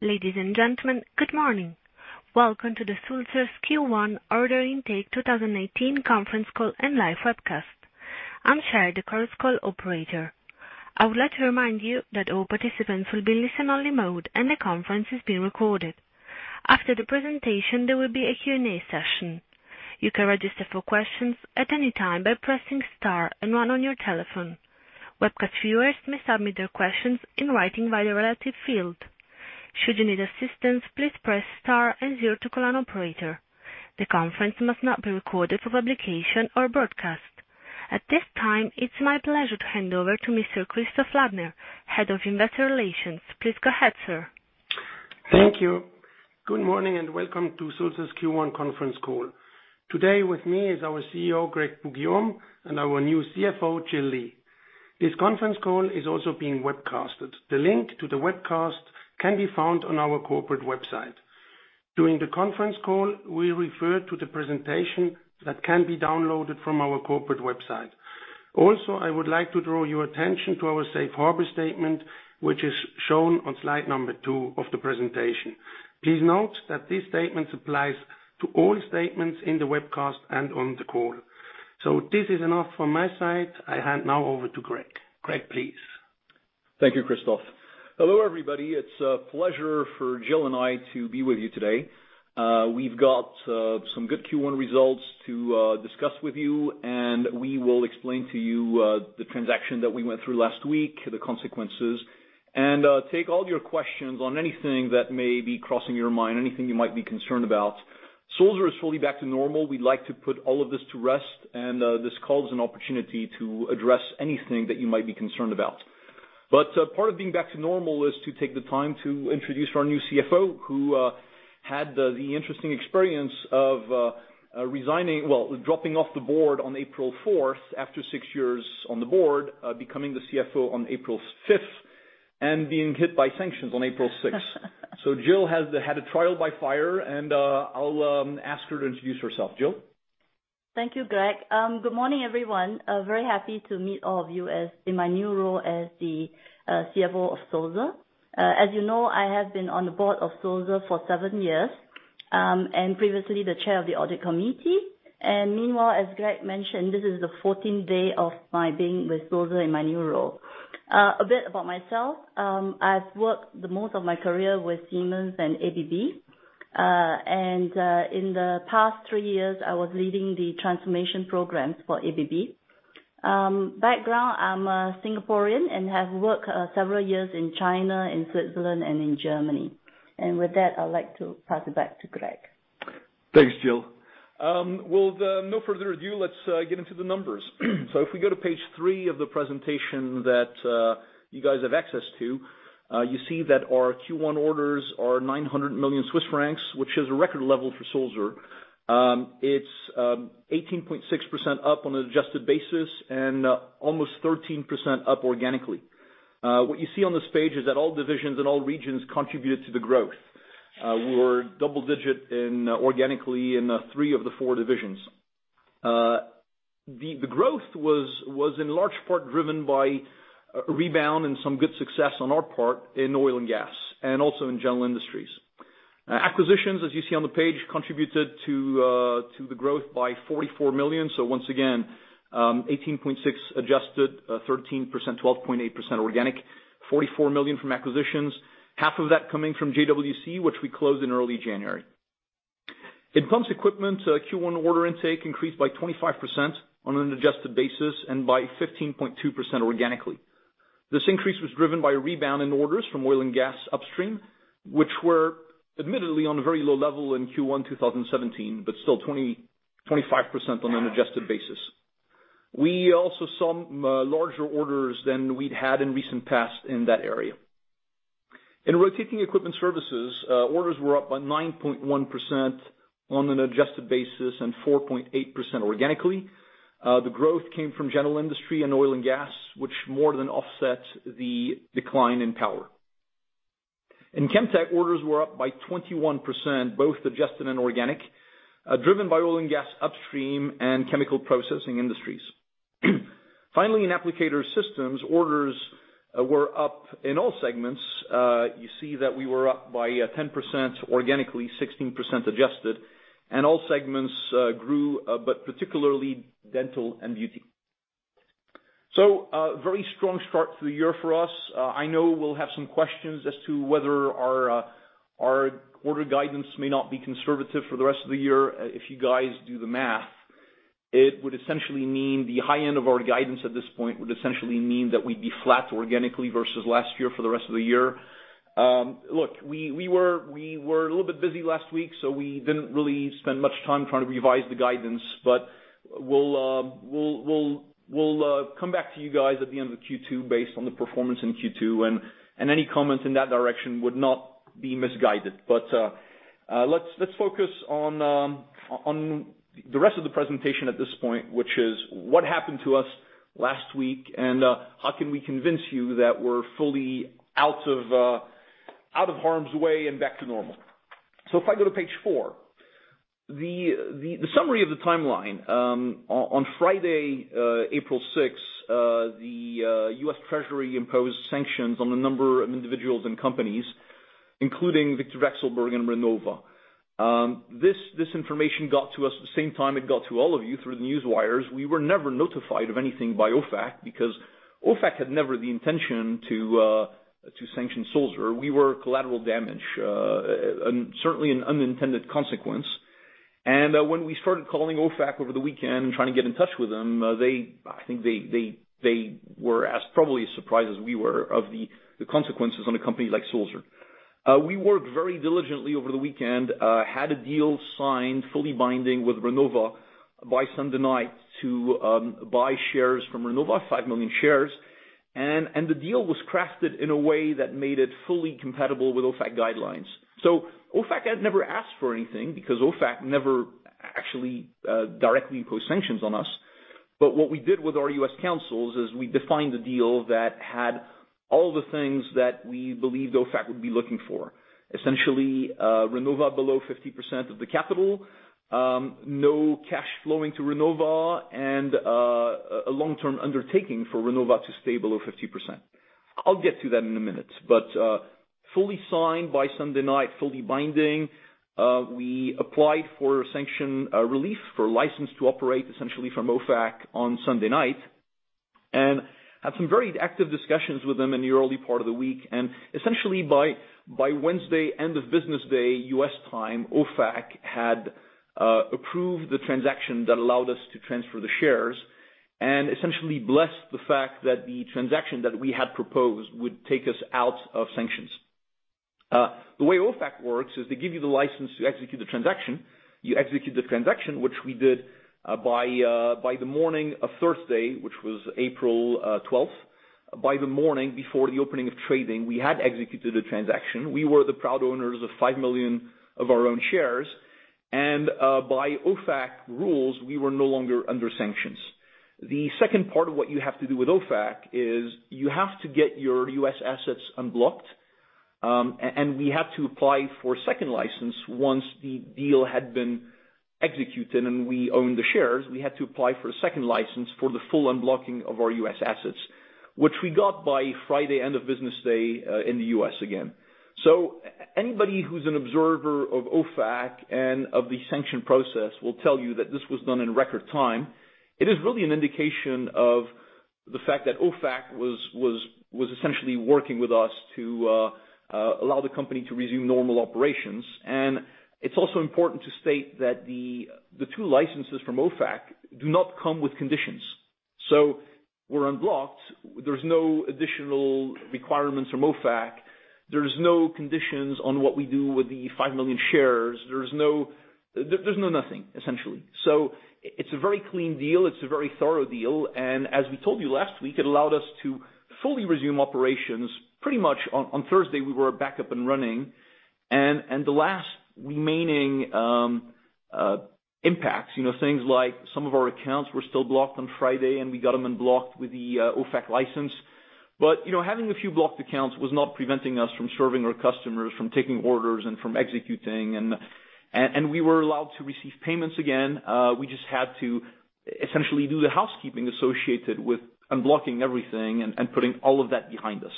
Ladies and gentlemen, good morning. Welcome to Sulzer's Q1 order intake 2018 conference call and live webcast. I'm Cherry, the conference call operator. I would like to remind you that all participants will be in listen-only mode, and the conference is being recorded. After the presentation, there will be a Q&A session. You can register for questions at any time by pressing star and one on your telephone. Webcast viewers may submit their questions in writing via the relative field. Should you need assistance, please press star and zero to call an operator. The conference must not be recorded for publication or broadcast. At this time, it's my pleasure to hand over to Mr. Christoph Ladner, Head of Investor Relations. Please go ahead, sir. Thank you. Good morning and welcome to Sulzer's Q1 conference call. Today with me is our CEO, Greg Poux-Guillaume, and our new CFO, Jill Lee. This conference call is also being webcasted. The link to the webcast can be found on our corporate website. During the conference call, we refer to the presentation that can be downloaded from our corporate website. Also, I would like to draw your attention to our safe harbor statement, which is shown on slide number two of the presentation. Please note that this statement applies to all statements in the webcast and on the call. This is enough from my side. I hand now over to Greg. Greg, please. Thank you, Christoph. Hello, everybody. It's a pleasure for Jill and I to be with you today. We've got some good Q1 results to discuss with you, and we will explain to you the transaction that we went through last week, the consequences, and take all your questions on anything that may be crossing your mind, anything you might be concerned about. Sulzer is fully back to normal. We'd like to put all of this to rest, and this call is an opportunity to address anything that you might be concerned about. Part of being back to normal is to take the time to introduce our new CFO, who had the interesting experience of dropping off the board on April 4th, after six years on the board, becoming the CFO on April 5th, and being hit by sanctions on April 6th. Jill has had a trial by fire, and I'll ask her to introduce herself. Jill? Thank you, Greg. Good morning, everyone. Very happy to meet all of you in my new role as the CFO of Sulzer. As you know, I have been on the board of Sulzer for seven years, and previously the chair of the audit committee. Meanwhile, as Greg mentioned, this is the 14th day of my being with Sulzer in my new role. A bit about myself. I've worked the most of my career with Siemens and ABB. In the past three years, I was leading the transformation programs for ABB. Background, I'm a Singaporean and have worked several years in China, in Switzerland, and in Germany. With that, I'd like to pass it back to Greg. Thanks, Jill. With no further ado, let's get into the numbers. If we go to page three of the presentation that you guys have access to, you see that our Q1 orders are 900 million Swiss francs, which is a record level for Sulzer. It's 18.6% up on an adjusted basis and almost 13% up organically. What you see on this page is that all divisions and all regions contributed to the growth. We were double-digit organically in three of the four divisions. The growth was in large part driven by a rebound and some good success on our part in oil and gas, and also in general industries. Acquisitions, as you see on the page, contributed to the growth by 44 million. Once again, 18.6% adjusted, 13%, 12.8% organic, 44 million from acquisitions, half of that coming from JWC, which we closed in early January. In Pumps Equipment, Q1 order intake increased by 25% on an adjusted basis and by 15.2% organically. This increase was driven by a rebound in orders from oil and gas upstream, which were admittedly on a very low level in Q1 2017, but still 25% on an adjusted basis. We also saw larger orders than we'd had in recent past in that area. In Rotating Equipment Services, orders were up by 9.1% on an adjusted basis and 4.8% organically. The growth came from general industry and oil and gas, which more than offset the decline in power. In Chemtech, orders were up by 21%, both adjusted and organic, driven by oil and gas upstream and chemical processing industries. Finally, in Applicator Systems, orders were up in all segments. You see that we were up by 10% organically, 16% adjusted, and all segments grew, but particularly dental and beauty. A very strong start to the year for us. I know we'll have some questions as to whether our order guidance may not be conservative for the rest of the year. If you guys do the math, it would essentially mean the high end of our guidance at this point would essentially mean that we'd be flat organically versus last year for the rest of the year. Look, we were a little bit busy last week, so we didn't really spend much time trying to revise the guidance, but we'll come back to you guys at the end of Q2 based on the performance in Q2, and any comments in that direction would not be misguided. Let's focus on the rest of the presentation at this point, which is what happened to us last week, and how can we convince you that we're fully out of harm's way and back to normal. If I go to page four. The summary of the timeline, on Friday, April 6th, the U.S. Treasury imposed sanctions on a number of individuals and companies, including Viktor Vekselberg and Renova. This information got to us the same time it got to all of you through the news wires. We were never notified of anything by OFAC because OFAC had never the intention to sanction Sulzer. We were collateral damage. Certainly an unintended consequence. When we started calling OFAC over the weekend and trying to get in touch with them, I think they were as probably surprised as we were of the consequences on a company like Sulzer. We worked very diligently over the weekend, had a deal signed, fully binding, with Renova by Sunday night to buy shares from Renova, 5 million shares. The deal was crafted in a way that made it fully compatible with OFAC guidelines. OFAC had never asked for anything because OFAC never actually directly imposed sanctions on us. What we did with our U.S. counsels is we defined the deal that had all the things that we believed OFAC would be looking for. Essentially, Renova below 50% of the capital, no cash flowing to Renova, and a long-term undertaking for Renova to stay below 50%. I'll get to that in a minute. Fully signed by Sunday night, fully binding. We applied for a sanction relief for license to operate essentially from OFAC on Sunday night and had some very active discussions with them in the early part of the week. Essentially by Wednesday, end of business day U.S. time, OFAC had approved the transaction that allowed us to transfer the shares and essentially blessed the fact that the transaction that we had proposed would take us out of sanctions. The way OFAC works is they give you the license to execute the transaction. You execute the transaction, which we did by the morning of Thursday, which was April 12th. By the morning before the opening of trading, we had executed a transaction. We were the proud owners of 5 million of our own shares. By OFAC rules, we were no longer under sanctions. The second part of what you have to do with OFAC is you have to get your U.S. assets unblocked. We had to apply for a second license once the deal had been executed and we owned the shares. We had to apply for a second license for the full unblocking of our U.S. assets, which we got by Friday, end of business day in the U.S. again. Anybody who's an observer of OFAC and of the sanction process will tell you that this was done in record time. It is really an indication of the fact that OFAC was essentially working with us to allow the company to resume normal operations. It's also important to state that the two licenses from OFAC do not come with conditions. We're unblocked. There's no additional requirements from OFAC. There's no conditions on what we do with the 5 million shares. There's no nothing, essentially. It's a very clean deal. It's a very thorough deal. As we told you last week, it allowed us to fully resume operations. Pretty much on Thursday, we were back up and running. The last remaining impacts, things like some of our accounts were still blocked on Friday, and we got them unblocked with the OFAC license. Having a few blocked accounts was not preventing us from serving our customers, from taking orders, and from executing. We were allowed to receive payments again. We just had to essentially do the housekeeping associated with unblocking everything and putting all of that behind us.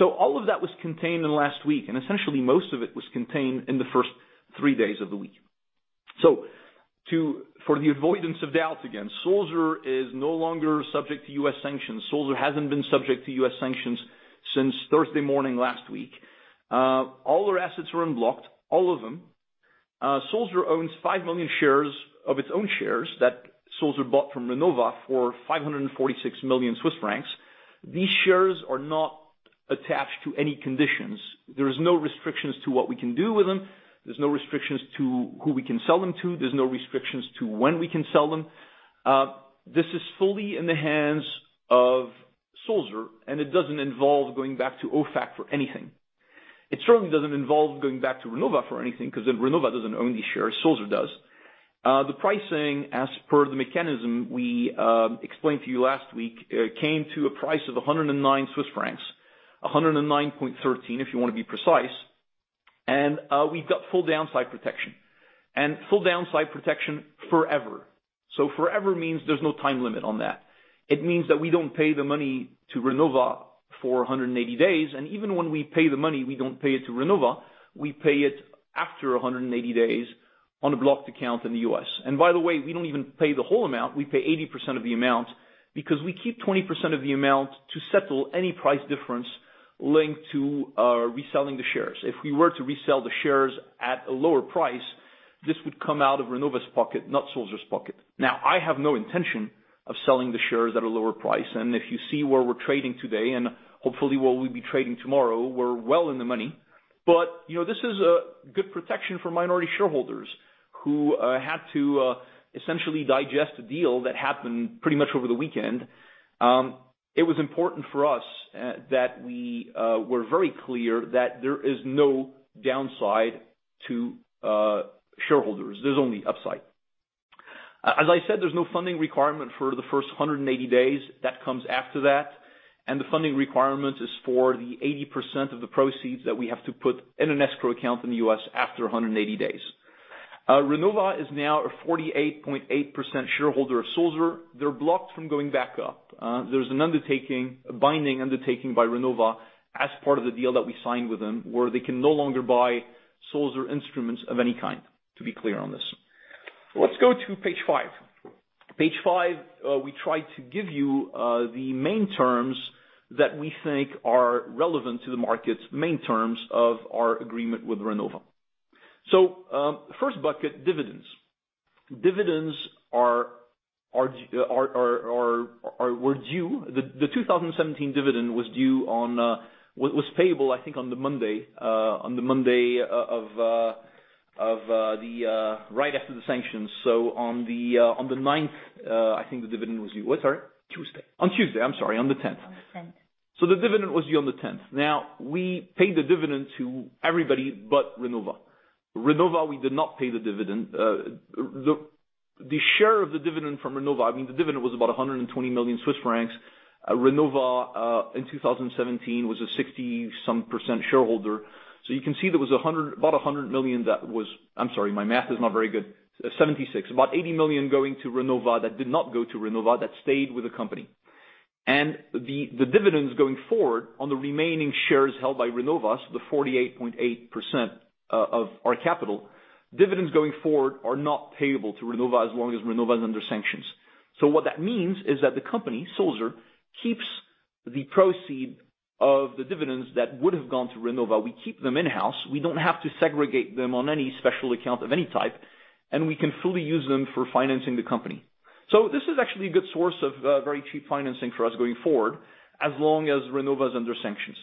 All of that was contained in the last week, and essentially most of it was contained in the first three days of the week. For the avoidance of doubt again, Sulzer is no longer subject to U.S. sanctions. Sulzer hasn't been subject to U.S. sanctions since Thursday morning last week. All their assets were unblocked, all of them. Sulzer owns 5 million shares of its own shares that Sulzer bought from Renova for 546 million Swiss francs. These shares are not attached to any conditions. There's no restrictions to what we can do with them. There's no restrictions to who we can sell them to. There's no restrictions to when we can sell them. This is fully in the hands of Sulzer, and it doesn't involve going back to OFAC for anything. It certainly doesn't involve going back to Renova for anything, because Renova doesn't own these shares, Sulzer does. The pricing, as per the mechanism we explained to you last week, came to a price of 109 Swiss francs, 109.13 if you want to be precise. We've got full downside protection. Full downside protection forever. Forever means there's no time limit on that. It means that we don't pay the money to Renova for 180 days, and even when we pay the money, we don't pay it to Renova. We pay it after 180 days on a blocked account in the U.S. By the way, we don't even pay the whole amount. We pay 80% of the amount because we keep 20% of the amount to settle any price difference linked to reselling the shares. If we were to resell the shares at a lower price, this would come out of Renova's pocket, not Sulzer's pocket. I have no intention of selling the shares at a lower price. If you see where we're trading today, and hopefully where we'll be trading tomorrow, we're well in the money. This is a good protection for minority shareholders who had to essentially digest a deal that happened pretty much over the weekend. It was important for us that we were very clear that there is no downside to shareholders. There's only upside. As I said, there's no funding requirement for the first 180 days. That comes after that. The funding requirement is for the 80% of the proceeds that we have to put in an escrow account in the U.S. after 180 days. Renova is now a 48.8% shareholder of Sulzer. They're blocked from going back up. There's a binding undertaking by Renova as part of the deal that we signed with them, where they can no longer buy Sulzer instruments of any kind, to be clear on this. Let's go to page five. Page five, we try to give you the main terms that we think are relevant to the market's main terms of our agreement with Renova. First bucket, dividends. Dividends were due. The 2017 dividend was payable, I think, on the Monday right after the sanctions. On the 9th, I think the dividend was due. What, sorry? Tuesday. On Tuesday, I'm sorry. On the 10th. On the 10th. The dividend was due on the 10th. Now, we paid the dividend to everybody but Renova. Renova, we did not pay the dividend. The share of the dividend from Renova, the dividend was about 120 million Swiss francs. Renova, in 2017, was a 60-some% shareholder. You can see there was about 100 million that was-- I'm sorry, my math is not very good. 76. About 80 million going to Renova, that did not go to Renova, that stayed with the company. And the dividends going forward on the remaining shares held by Renova, so the 48.8% of our capital, dividends going forward are not payable to Renova as long as Renova's under sanctions. What that means is that the company, Sulzer, keeps the proceeds of the dividends that would have gone to Renova. We keep them in-house. We don't have to segregate them on any special account of any type, and we can fully use them for financing the company. This is actually a good source of very cheap financing for us going forward, as long as Renova's under sanctions.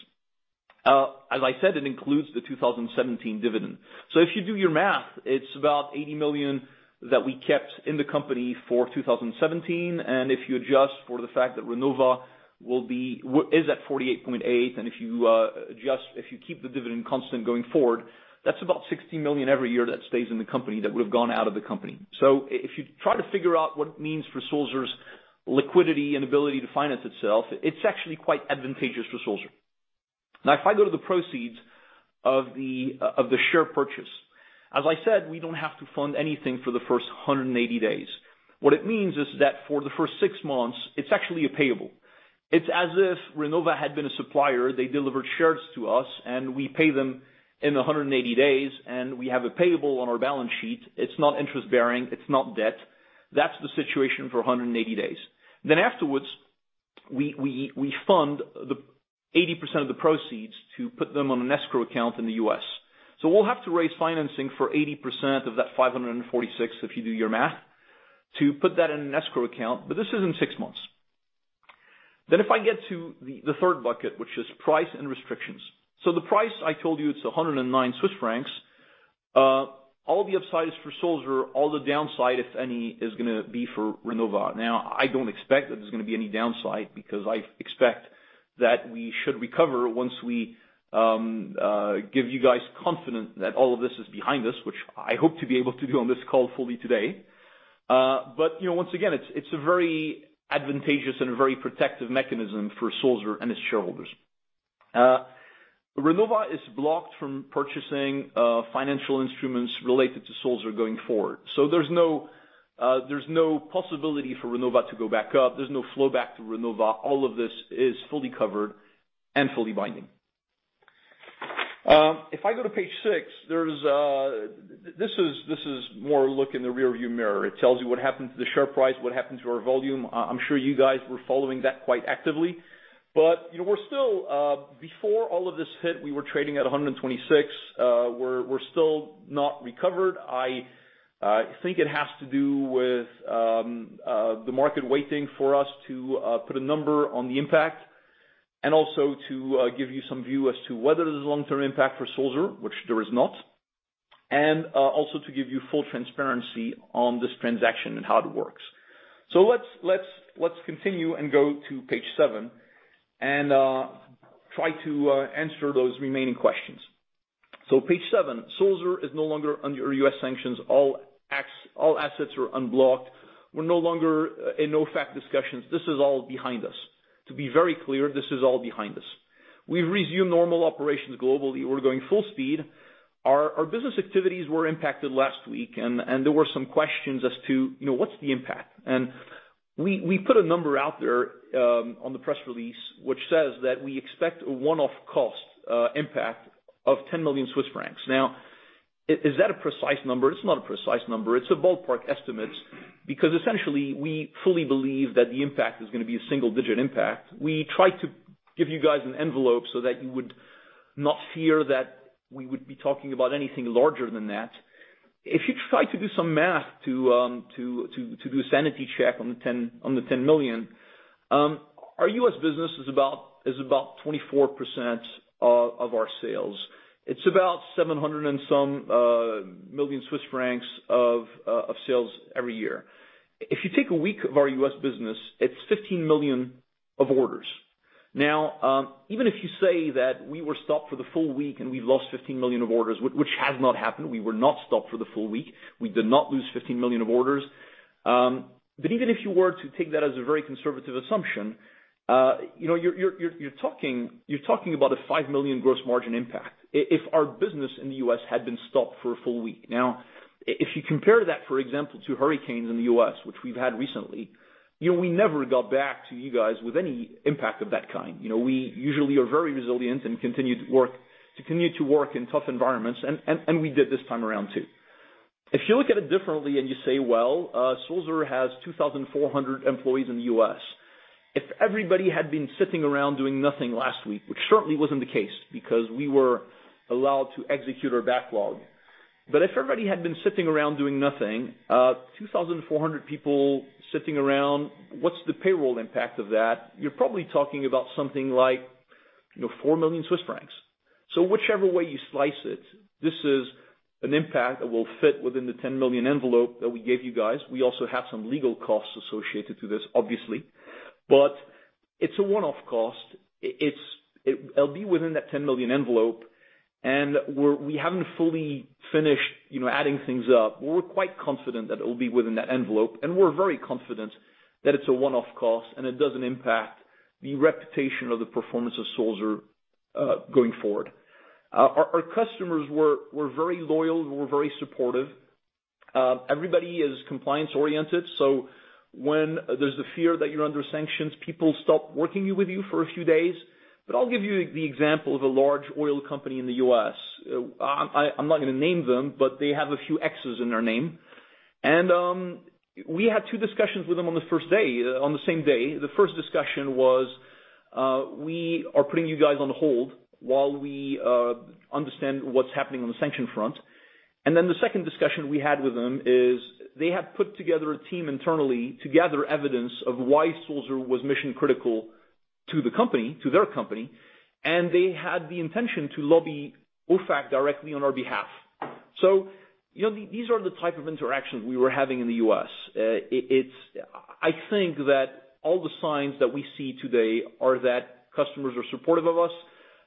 As I said, it includes the 2017 dividend. If you do your math, it's about 80 million that we kept in the company for 2017. And if you adjust for the fact that Renova is at 48.8%, and if you keep the dividend constant going forward, that's about 60 million every year that stays in the company that would've gone out of the company. If you try to figure out what it means for Sulzer's liquidity and ability to finance itself, it's actually quite advantageous for Sulzer. If I go to the proceeds of the share purchase, as I said, we don't have to fund anything for the first 180 days. What it means is that for the first 6 months, it's actually a payable. It's as if Renova had been a supplier, they delivered shares to us, and we pay them in 180 days, and we have a payable on our balance sheet. It's not interest-bearing. It's not debt. That's the situation for 180 days. Afterwards, we fund 80% of the proceeds to put them on an escrow account in the U.S. We'll have to raise financing for 80% of that 546 million, if you do your math, to put that in an escrow account. But this is in 6 months. If I get to the third bucket, which is price and restrictions. The price, I told you, it's 109 Swiss francs. All the upside is for Sulzer. All the downside, if any, is going to be for Renova. I don't expect that there's going to be any downside because I expect that we should recover once we give you guys confidence that all of this is behind us, which I hope to be able to do on this call fully today. Once again, it's a very advantageous and a very protective mechanism for Sulzer and its shareholders. Renova is blocked from purchasing financial instruments related to Sulzer going forward. There's no possibility for Renova to go back up. There's no flow back to Renova. All of this is fully covered and fully binding. If I go to page six, this is more a look in the rearview mirror. It tells you what happened to the share price, what happened to our volume. I'm sure you guys were following that quite actively. Before all of this hit, we were trading at 126. We're still not recovered. I think it has to do with the market waiting for us to put a number on the impact, also to give you some view as to whether there's a long-term impact for Sulzer, which there is not. Also to give you full transparency on this transaction and how it works. Let's continue and go to page seven and try to answer those remaining questions. Page seven, Sulzer is no longer under U.S. sanctions. All assets are unblocked. We're no longer in OFAC discussions. This is all behind us. To be very clear, this is all behind us. We've resumed normal operations globally. We're going full speed. Our business activities were impacted last week, and there were some questions as to what's the impact. We put a number out there on the press release, which says that we expect a one-off cost impact of 10 million Swiss francs. Is that a precise number? It's not a precise number. It's a ballpark estimate because essentially, we fully believe that the impact is going to be a single-digit impact. We tried to give you guys an envelope so that you would not fear that we would be talking about anything larger than that. If you try to do some math to do a sanity check on the 10 million, our U.S. business is about 24% of our sales. It's about 700 and some million of sales every year. If you take a week of our U.S. business, it's 15 million of orders. Even if you say that we were stopped for the full week and we lost 15 million of orders, which has not happened. We were not stopped for the full week. We did not lose 15 million of orders. Even if you were to take that as a very conservative assumption, you're talking about a 5 million gross margin impact, if our business in the U.S. had been stopped for a full week. If you compare that, for example, to hurricanes in the U.S., which we've had recently, we never got back to you guys with any impact of that kind. We usually are very resilient and continue to work in tough environments, and we did this time around, too. If you look at it differently and you say, well, Sulzer has 2,400 employees in the U.S. If everybody had been sitting around doing nothing last week, which certainly wasn't the case, because we were allowed to execute our backlog. If everybody had been sitting around doing nothing, 2,400 people sitting around, what's the payroll impact of that? You're probably talking about something like 4 million Swiss francs. Whichever way you slice it, this is an impact that will fit within the 10 million envelope that we gave you guys. We also have some legal costs associated to this, obviously. It's a one-off cost. It'll be within that 10 million envelope, and we haven't fully finished adding things up. We're quite confident that it'll be within that envelope, and we're very confident that it's a one-off cost and it doesn't impact the reputation or the performance of Sulzer going forward. Our customers were very loyal and were very supportive. Everybody is compliance-oriented, when there's the fear that you're under sanctions, people stop working with you for a few days. I'll give you the example of a large oil company in the U.S. I'm not going to name them, but they have a few X's in their name. We had two discussions with them on the same day. The first discussion was, "We are putting you guys on hold while we understand what's happening on the sanction front." The second discussion we had with them is they had put together a team internally to gather evidence of why Sulzer was mission-critical to their company, and they had the intention to lobby OFAC directly on our behalf. These are the type of interactions we were having in the U.S. I think that all the signs that we see today are that customers are supportive of us.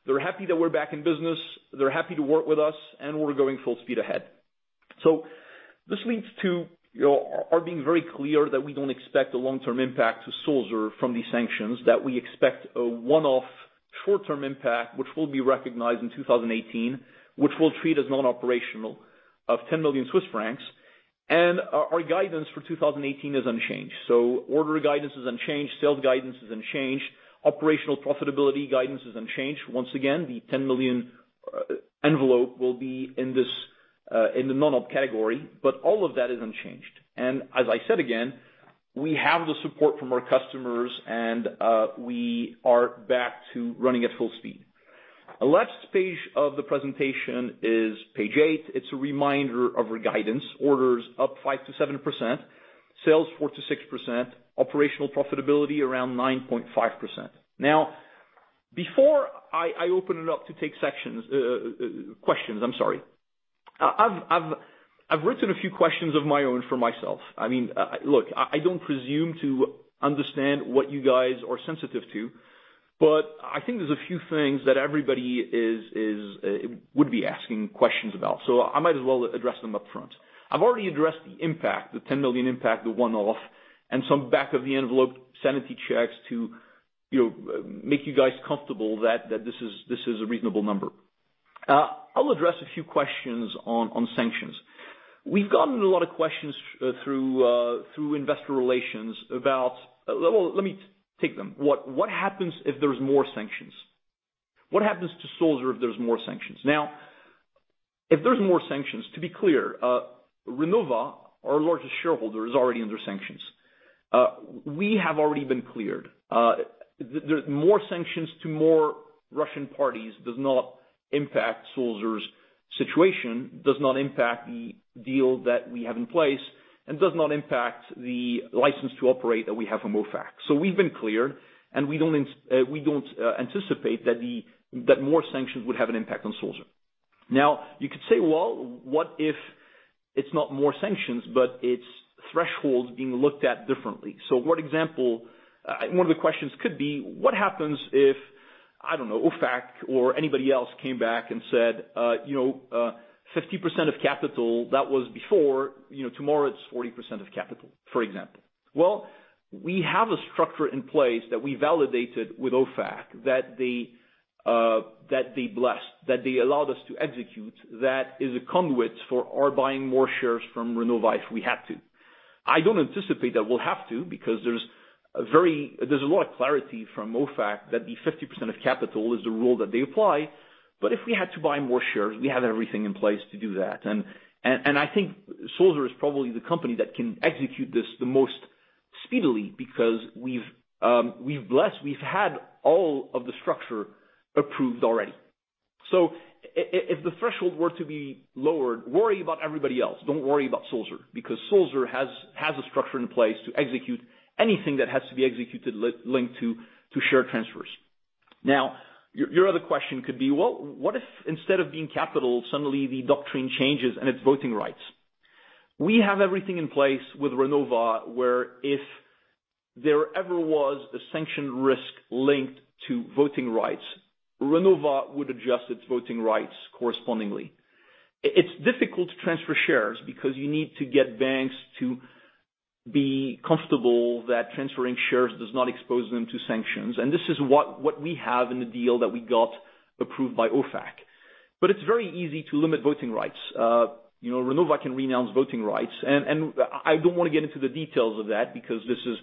They're happy that we're back in business. They're happy to work with us, and we're going full speed ahead. This leads to our being very clear that we don't expect a long-term impact to Sulzer from these sanctions, that we expect a one-off short-term impact, which will be recognized in 2018, which we'll treat as non-operational of 10 million Swiss francs. Our guidance for 2018 is unchanged. Order guidance is unchanged, sales guidance is unchanged, operational profitability guidance is unchanged. Once again, the 10 million envelope will be in the non-op category, all of that is unchanged. As I said again, we have the support from our customers, and we are back to running at full speed. The last page of the presentation is page eight. It's a reminder of our guidance. Orders up 5%-7%, sales 4%-6%, operational profitability around 9.5%. Now, before I open it up to take questions, I've written a few questions of my own for myself. Look, I don't presume to understand what you guys are sensitive to, but I think there's a few things that everybody would be asking questions about. I might as well address them up front. I've already addressed the impact, the 10 million impact, the one-off, and some back-of-the-envelope sanity checks to make you guys comfortable that this is a reasonable number. I'll address a few questions on sanctions. We've gotten a lot of questions through Investor Relations about. Well, let me take them. What happens if there's more sanctions? What happens to Sulzer if there's more sanctions? If there's more sanctions, to be clear, Renova, our largest shareholder, is already under sanctions. We have already been cleared. More sanctions to more Russian parties does not impact Sulzer's situation, does not impact the deal that we have in place, and does not impact the license to operate that we have from OFAC. We've been cleared, and we don't anticipate that more sanctions would have an impact on Sulzer. You could say, well, what if it's not more sanctions, but it's thresholds being looked at differently? One of the questions could be, what happens if, I don't know, OFAC or anybody else came back and said 50% of capital, that was before, tomorrow it's 40% of capital, for example. Well, we have a structure in place that we validated with OFAC, that they blessed, that they allowed us to execute, that is a conduit for our buying more shares from Renova if we had to. I don't anticipate that we'll have to because there's a lot of clarity from OFAC that the 50% of capital is the rule that they apply. If we had to buy more shares, we have everything in place to do that. I think Sulzer is probably the company that can execute this the most speedily because we've had all of the structure approved already. If the threshold were to be lowered, worry about everybody else. Don't worry about Sulzer, because Sulzer has a structure in place to execute anything that has to be executed linked to share transfers. Your other question could be, well, what if instead of being capital, suddenly the doctrine changes and it's voting rights? We have everything in place with Renova, where if there ever was a sanction risk linked to voting rights, Renova would adjust its voting rights correspondingly. It's difficult to transfer shares because you need to get banks to be comfortable that transferring shares does not expose them to sanctions. This is what we have in the deal that we got approved by OFAC. It's very easy to limit voting rights. Renova can renounce voting rights. I don't want to get into the details of that because this is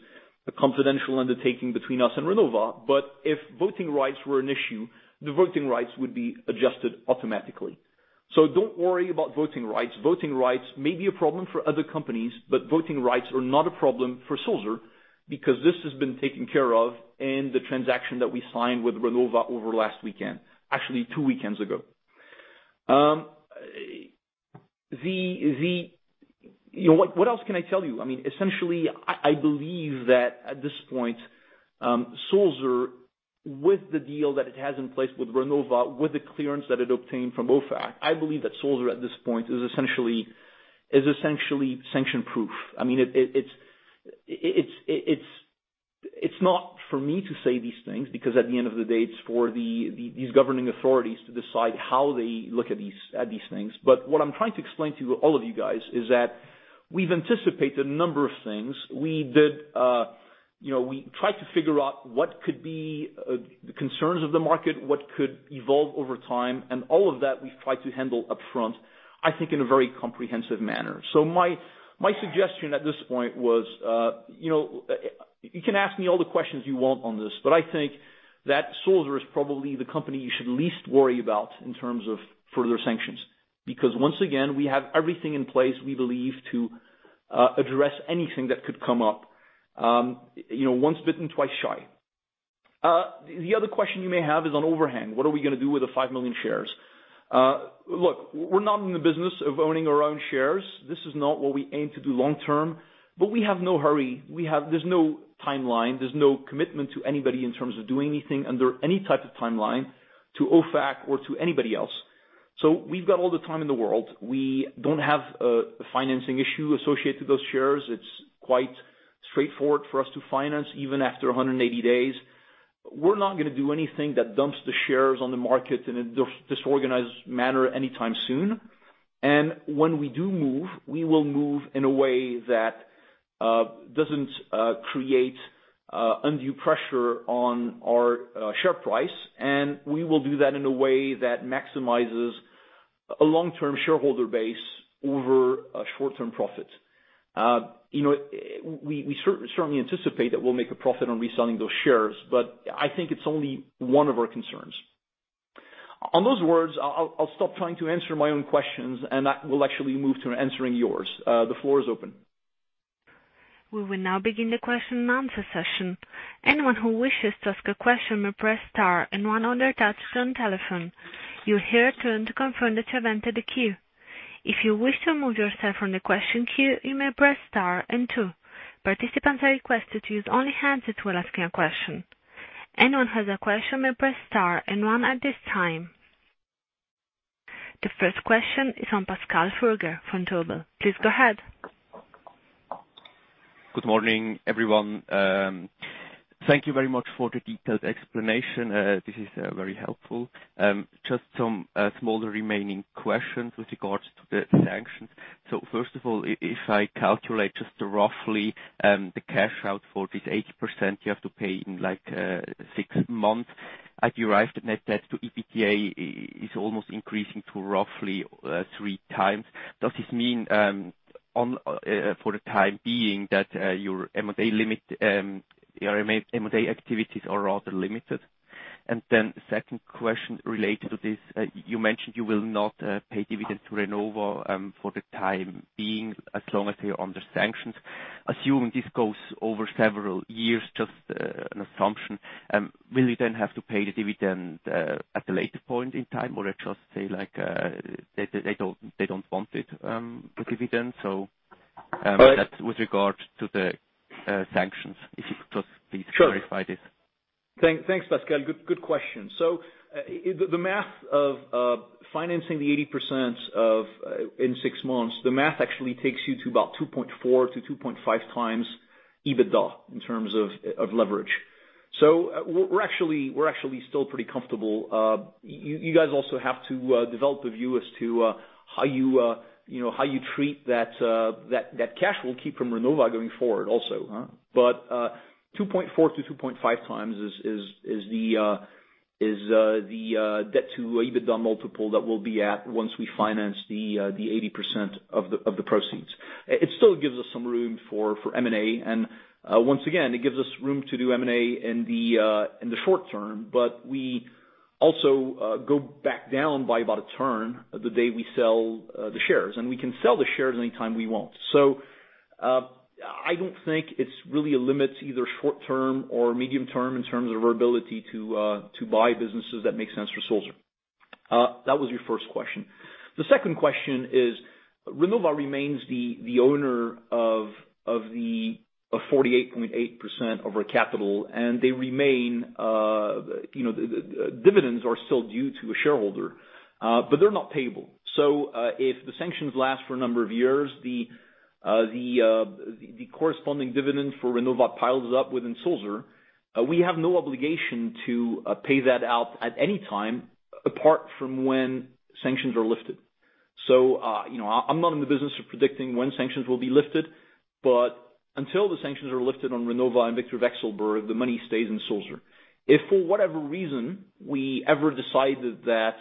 a confidential undertaking between us and Renova. If voting rights were an issue, the voting rights would be adjusted automatically. Don't worry about voting rights. Voting rights may be a problem for other companies, but voting rights are not a problem for Sulzer because this has been taken care of in the transaction that we signed with Renova over last weekend. Actually, two weekends ago. What else can I tell you? Essentially, I believe that at this point, Sulzer, with the deal that it has in place with Renova, with the clearance that it obtained from OFAC, I believe that Sulzer at this point is essentially sanction-proof. It's not for me to say these things, because at the end of the day, it's for these governing authorities to decide how they look at these things. What I'm trying to explain to all of you guys is that we've anticipated a number of things. We tried to figure out what could be the concerns of the market, what could evolve over time, and all of that we've tried to handle upfront, I think in a very comprehensive manner. My suggestion at this point was, you can ask me all the questions you want on this, but I think that Sulzer is probably the company you should least worry about in terms of further sanctions. Because once again, we have everything in place, we believe, to address anything that could come up. Once bitten, twice shy. The other question you may have is on overhang. What are we going to do with the 5 million shares? Look, we're not in the business of owning our own shares. This is not what we aim to do long-term, but we have no hurry. There's no timeline. There's no commitment to anybody in terms of doing anything under any type of timeline to OFAC or to anybody else. We've got all the time in the world. We don't have a financing issue associated with those shares. It's quite straightforward for us to finance even after 180 days. We're not going to do anything that dumps the shares on the market in a disorganized manner anytime soon. When we do move, we will move in a way that doesn't create undue pressure on our share price, and we will do that in a way that maximizes a long-term shareholder base over a short-term profit. We certainly anticipate that we'll make a profit on reselling those shares, but I think it's only one of our concerns. On those words, I'll stop trying to answer my own questions, and I will actually move to answering yours. The floor is open. We will now begin the question and answer session. Anyone who wishes to ask a question may press star and 1 on their touch-tone telephone. You'll hear a tone to confirm that you have entered the queue. If you wish to remove yourself from the question queue, you may press star and 2. Participants are requested to use only hands that were asking a question. Anyone who has a question may press star and 1 at this time. The first question is on Pascal Bürger from Vontobel. Please go ahead. Good morning, everyone. Thank you very much for the detailed explanation. This is very helpful. Just some smaller remaining questions with regards to the sanctions. First of all, if I calculate just roughly the cash out for this 80% you have to pay in 6 months, I derive the net debt to EBITDA is almost increasing to roughly 3 times. Does this mean, for the time being, that your M&A activities are rather limited? The second question related to this, you mentioned you will not pay dividends to Renova for the time being as long as they're under sanctions. Assuming this goes over several years, just an assumption, will you then have to pay the dividend at a later point in time or just say they don't want it, the dividend? That's with regard to the sanctions. If you could just please clarify this. Sure. Thanks, Pascal. Good question. The math of financing the 80% in 6 months, the math actually takes you to about 2.4-2.5 times EBITDA in terms of leverage. You guys also have to develop the view as to how you treat that cash we'll keep from Renova going forward also. 2.4-2.5 times is the debt to EBITDA multiple that we'll be at once we finance the 80% of the proceeds. It still gives us some room for M&A, and once again, it gives us room to do M&A in the short term, but we also go back down by about a turn the day we sell the shares. We can sell the shares any time we want. I don't think it really limits either short term or medium term in terms of our ability to buy businesses that make sense for Sulzer. That was your first question. The second question is Renova remains the owner 48.8% of our capital, and they remain. Dividends are still due to a shareholder, but they're not payable. If the sanctions last for a number of years, the corresponding dividend for Renova piles up within Sulzer. We have no obligation to pay that out at any time, apart from when sanctions are lifted. I'm not in the business of predicting when sanctions will be lifted, but until the sanctions are lifted on Renova and Viktor Vekselberg, the money stays in Sulzer. If, for whatever reason, we ever decide that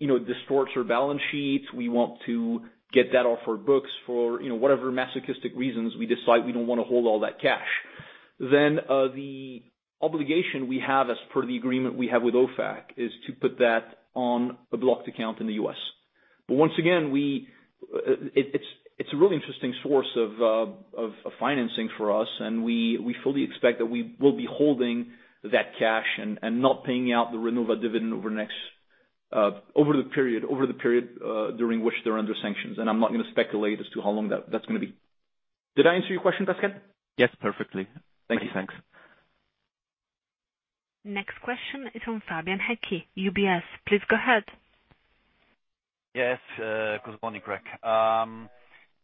it distorts our balance sheets, we want to get that off our books for whatever masochistic reasons we decide we don't want to hold all that cash, then the obligation we have as per the agreement we have with OFAC is to put that on a blocked account in the U.S. Once again, it's a really interesting source of financing for us, and we fully expect that we will be holding that cash and not paying out the Renova dividend over the period during which they're under sanctions. I'm not going to speculate as to how long that's going to be. Did I answer your question, Pascal? Yes, perfectly. Thank you. Thanks. Next question is from Fabian Haecki, UBS. Please go ahead. Yes. Good morning, Greg.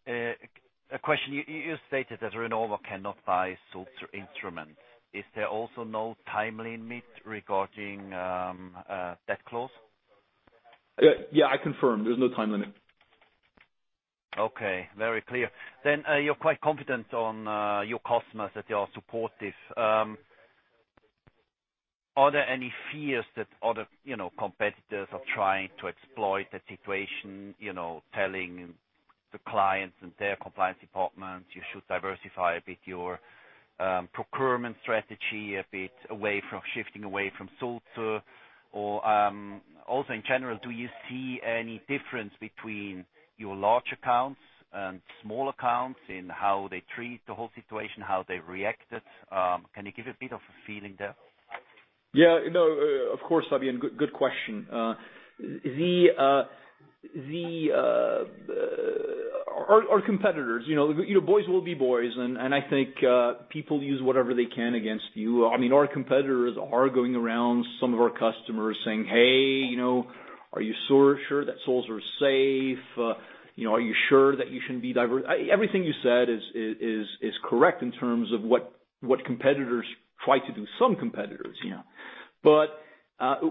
A question. You stated that Renova cannot buy Sulzer instruments. Is there also no time limit regarding that clause? Yeah, I confirm there's no time limit. Okay, very clear. You're quite confident on your customers that they are supportive. Are there any fears that other competitors are trying to exploit the situation, telling the clients and their compliance departments, "You should diversify a bit your procurement strategy a bit, shifting away from Sulzer?" Also, in general, do you see any difference between your large accounts and small accounts in how they treat the whole situation, how they've reacted? Can you give a bit of a feeling there? Yeah. Of course, Fabian, good question. Our competitors, boys will be boys, and I think people use whatever they can against you. Our competitors are going around some of our customers saying, "Hey, are you sure that Sulzer are safe? Are you sure that you shouldn't be diverse?" Everything you said is correct in terms of what competitors try to do, some competitors.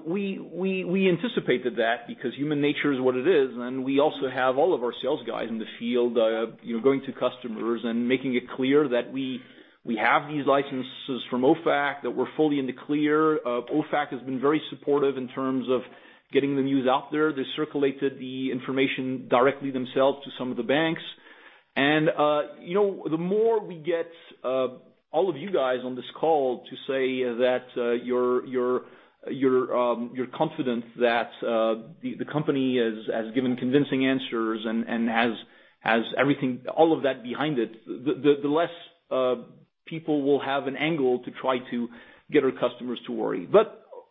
We anticipated that because human nature is what it is, and we also have all of our sales guys in the field going to customers and making it clear that we have these licenses from OFAC, that we're fully in the clear. OFAC has been very supportive in terms of getting the news out there. They circulated the information directly themselves to some of the banks. The more we get all of you guys on this call to say that you're confident that the company has given convincing answers and has everything, all of that behind it, the less people will have an angle to try to get our customers to worry.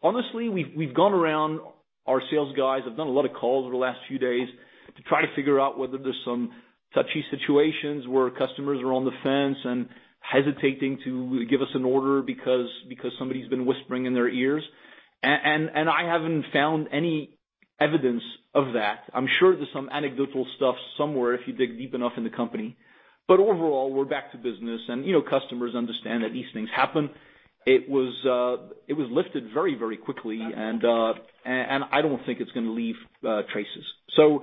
Honestly, we've gone around our sales guys, have done a lot of calls over the last few days to try to figure out whether there's some touchy situations where customers are on the fence and hesitating to give us an order because somebody's been whispering in their ears. I haven't found any evidence of that. I'm sure there's some anecdotal stuff somewhere if you dig deep enough in the company. Overall, we're back to business, and customers understand that these things happen. It was lifted very quickly, and I don't think it's going to leave traces. Will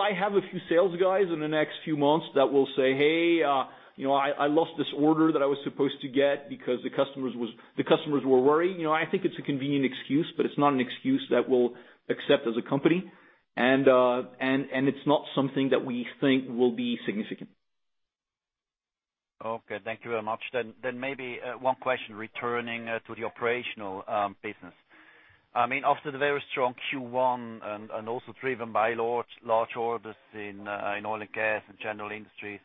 I have a few sales guys in the next few months that will say, "Hey, I lost this order that I was supposed to get because the customers were worried." I think it's a convenient excuse, but it's not an excuse that we'll accept as a company, and it's not something that we think will be significant. Okay, thank you very much. Maybe one question, returning to the operational business. After the very strong Q1 and also driven by large orders in oil and gas and general industries,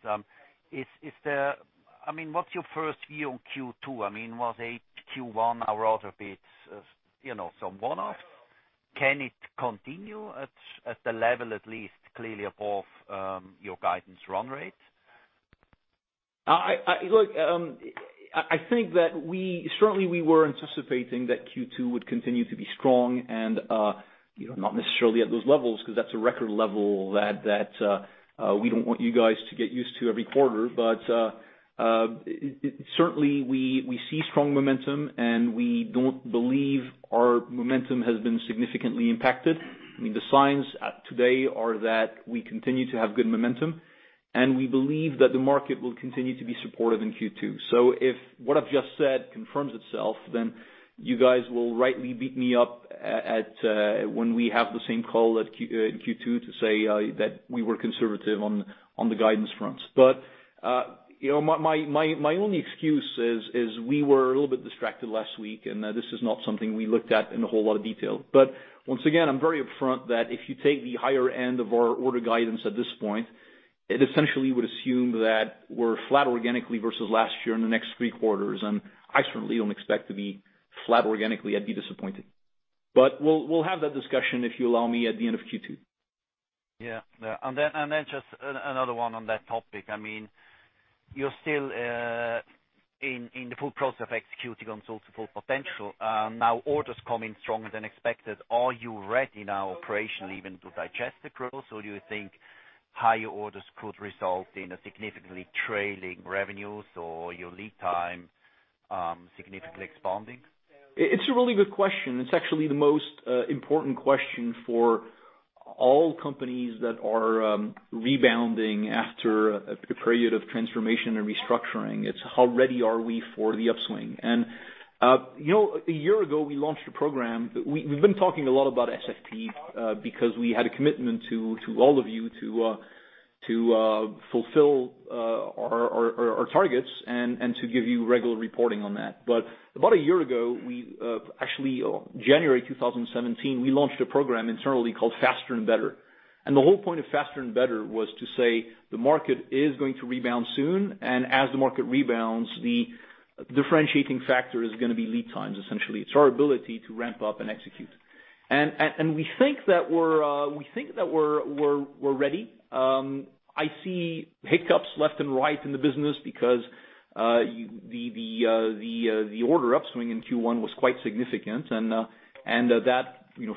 what's your first view on Q2? Was Q1 a rather bit, some one-off? Can it continue at the level, at least clearly above your guidance run rate? I think that certainly we were anticipating that Q2 would continue to be strong and not necessarily at those levels, because that's a record level that we don't want you guys to get used to every quarter. Certainly, we see strong momentum, and we don't believe our momentum has been significantly impacted. The signs today are that we continue to have good momentum, and we believe that the market will continue to be supportive in Q2. If what I've just said confirms itself, then you guys will rightly beat me up when we have the same call in Q2 to say that we were conservative on the guidance front. My only excuse is we were a little bit distracted last week, and this is not something we looked at in a whole lot of detail. Once again, I'm very upfront that if you take the higher end of our order guidance at this point, it essentially would assume that we're flat organically versus last year in the next three quarters, and I certainly don't expect to be flat organically. I'd be disappointed. We'll have that discussion, if you allow me, at the end of Q2. Just another one on that topic. You're still in the full process of executing on Sulzer's full potential. Orders come in stronger than expected. Are you ready now operationally even to digest the growth? Or do you think higher orders could result in significantly trailing revenues or your lead time significantly expanding? It's a really good question. It's actually the most important question for all companies that are rebounding after a period of transformation and restructuring. It's how ready are we for the upswing? A year ago, we launched a program. We've been talking a lot about SFP, because we had a commitment to all of you to fulfill our targets and to give you regular reporting on that. About a year ago, actually January 2017, we launched a program internally called Faster and Better. The whole point of Faster and Better was to say the market is going to rebound soon, and as the market rebounds, the differentiating factor is going to be lead times, essentially. It's our ability to ramp up and execute. We think that we're ready. I see hiccups left and right in the business because the order upswing in Q1 was quite significant, and that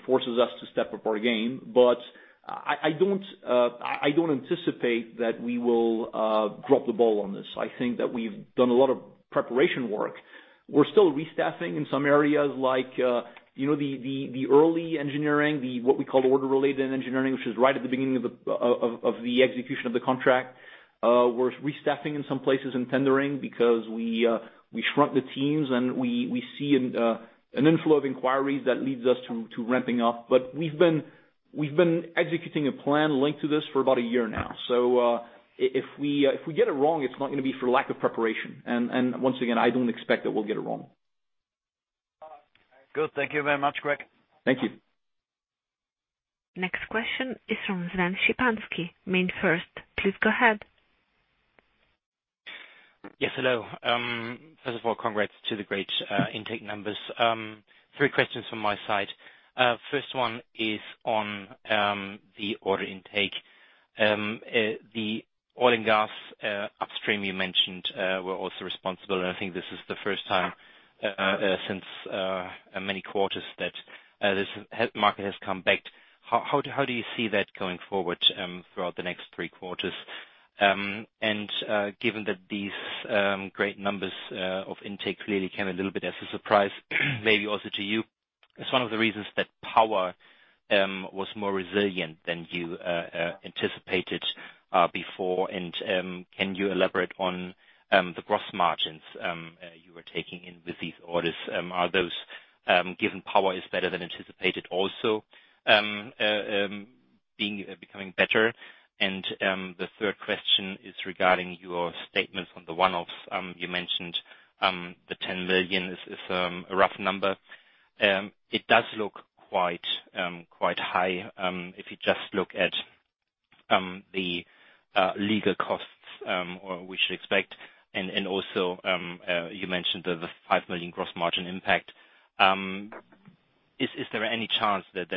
forces us to step up our game. I don't anticipate that we will drop the ball on this. I think that we've done a lot of preparation work. We're still restaffing in some areas like the early engineering, what we call order-related engineering, which is right at the beginning of the execution of the contract. We're restaffing in some places in tendering because we shrunk the teams, and we see an inflow of inquiries that leads us to ramping up. We've been executing a plan linked to this for about a year now. If we get it wrong, it's not going to be for lack of preparation. Once again, I don't expect that we'll get it wrong. Good. Thank you very much, Greg. Thank you. Next question is from Sven Shipanski, MainFirst. Please go ahead. Yes, hello. First of all, congrats to the great intake numbers. Three questions from my side. First one is on the order intake. The oil and gas upstream you mentioned were also responsible, and I think this is the first time since many quarters that this market has come back. How do you see that going forward throughout the next three quarters? Given that these great numbers of intake clearly came a little bit as a surprise maybe also to you, is one of the reasons that power was more resilient than you anticipated before. Can you elaborate on the gross margins you were taking in with these orders? Are those, given power is better than anticipated also becoming better? The third question is regarding your statements on the one-offs. You mentioned the 10 million is a rough number. It does look quite high if you just look at the legal costs we should expect, and also you mentioned the 5 million gross margin impact. Is there any chance that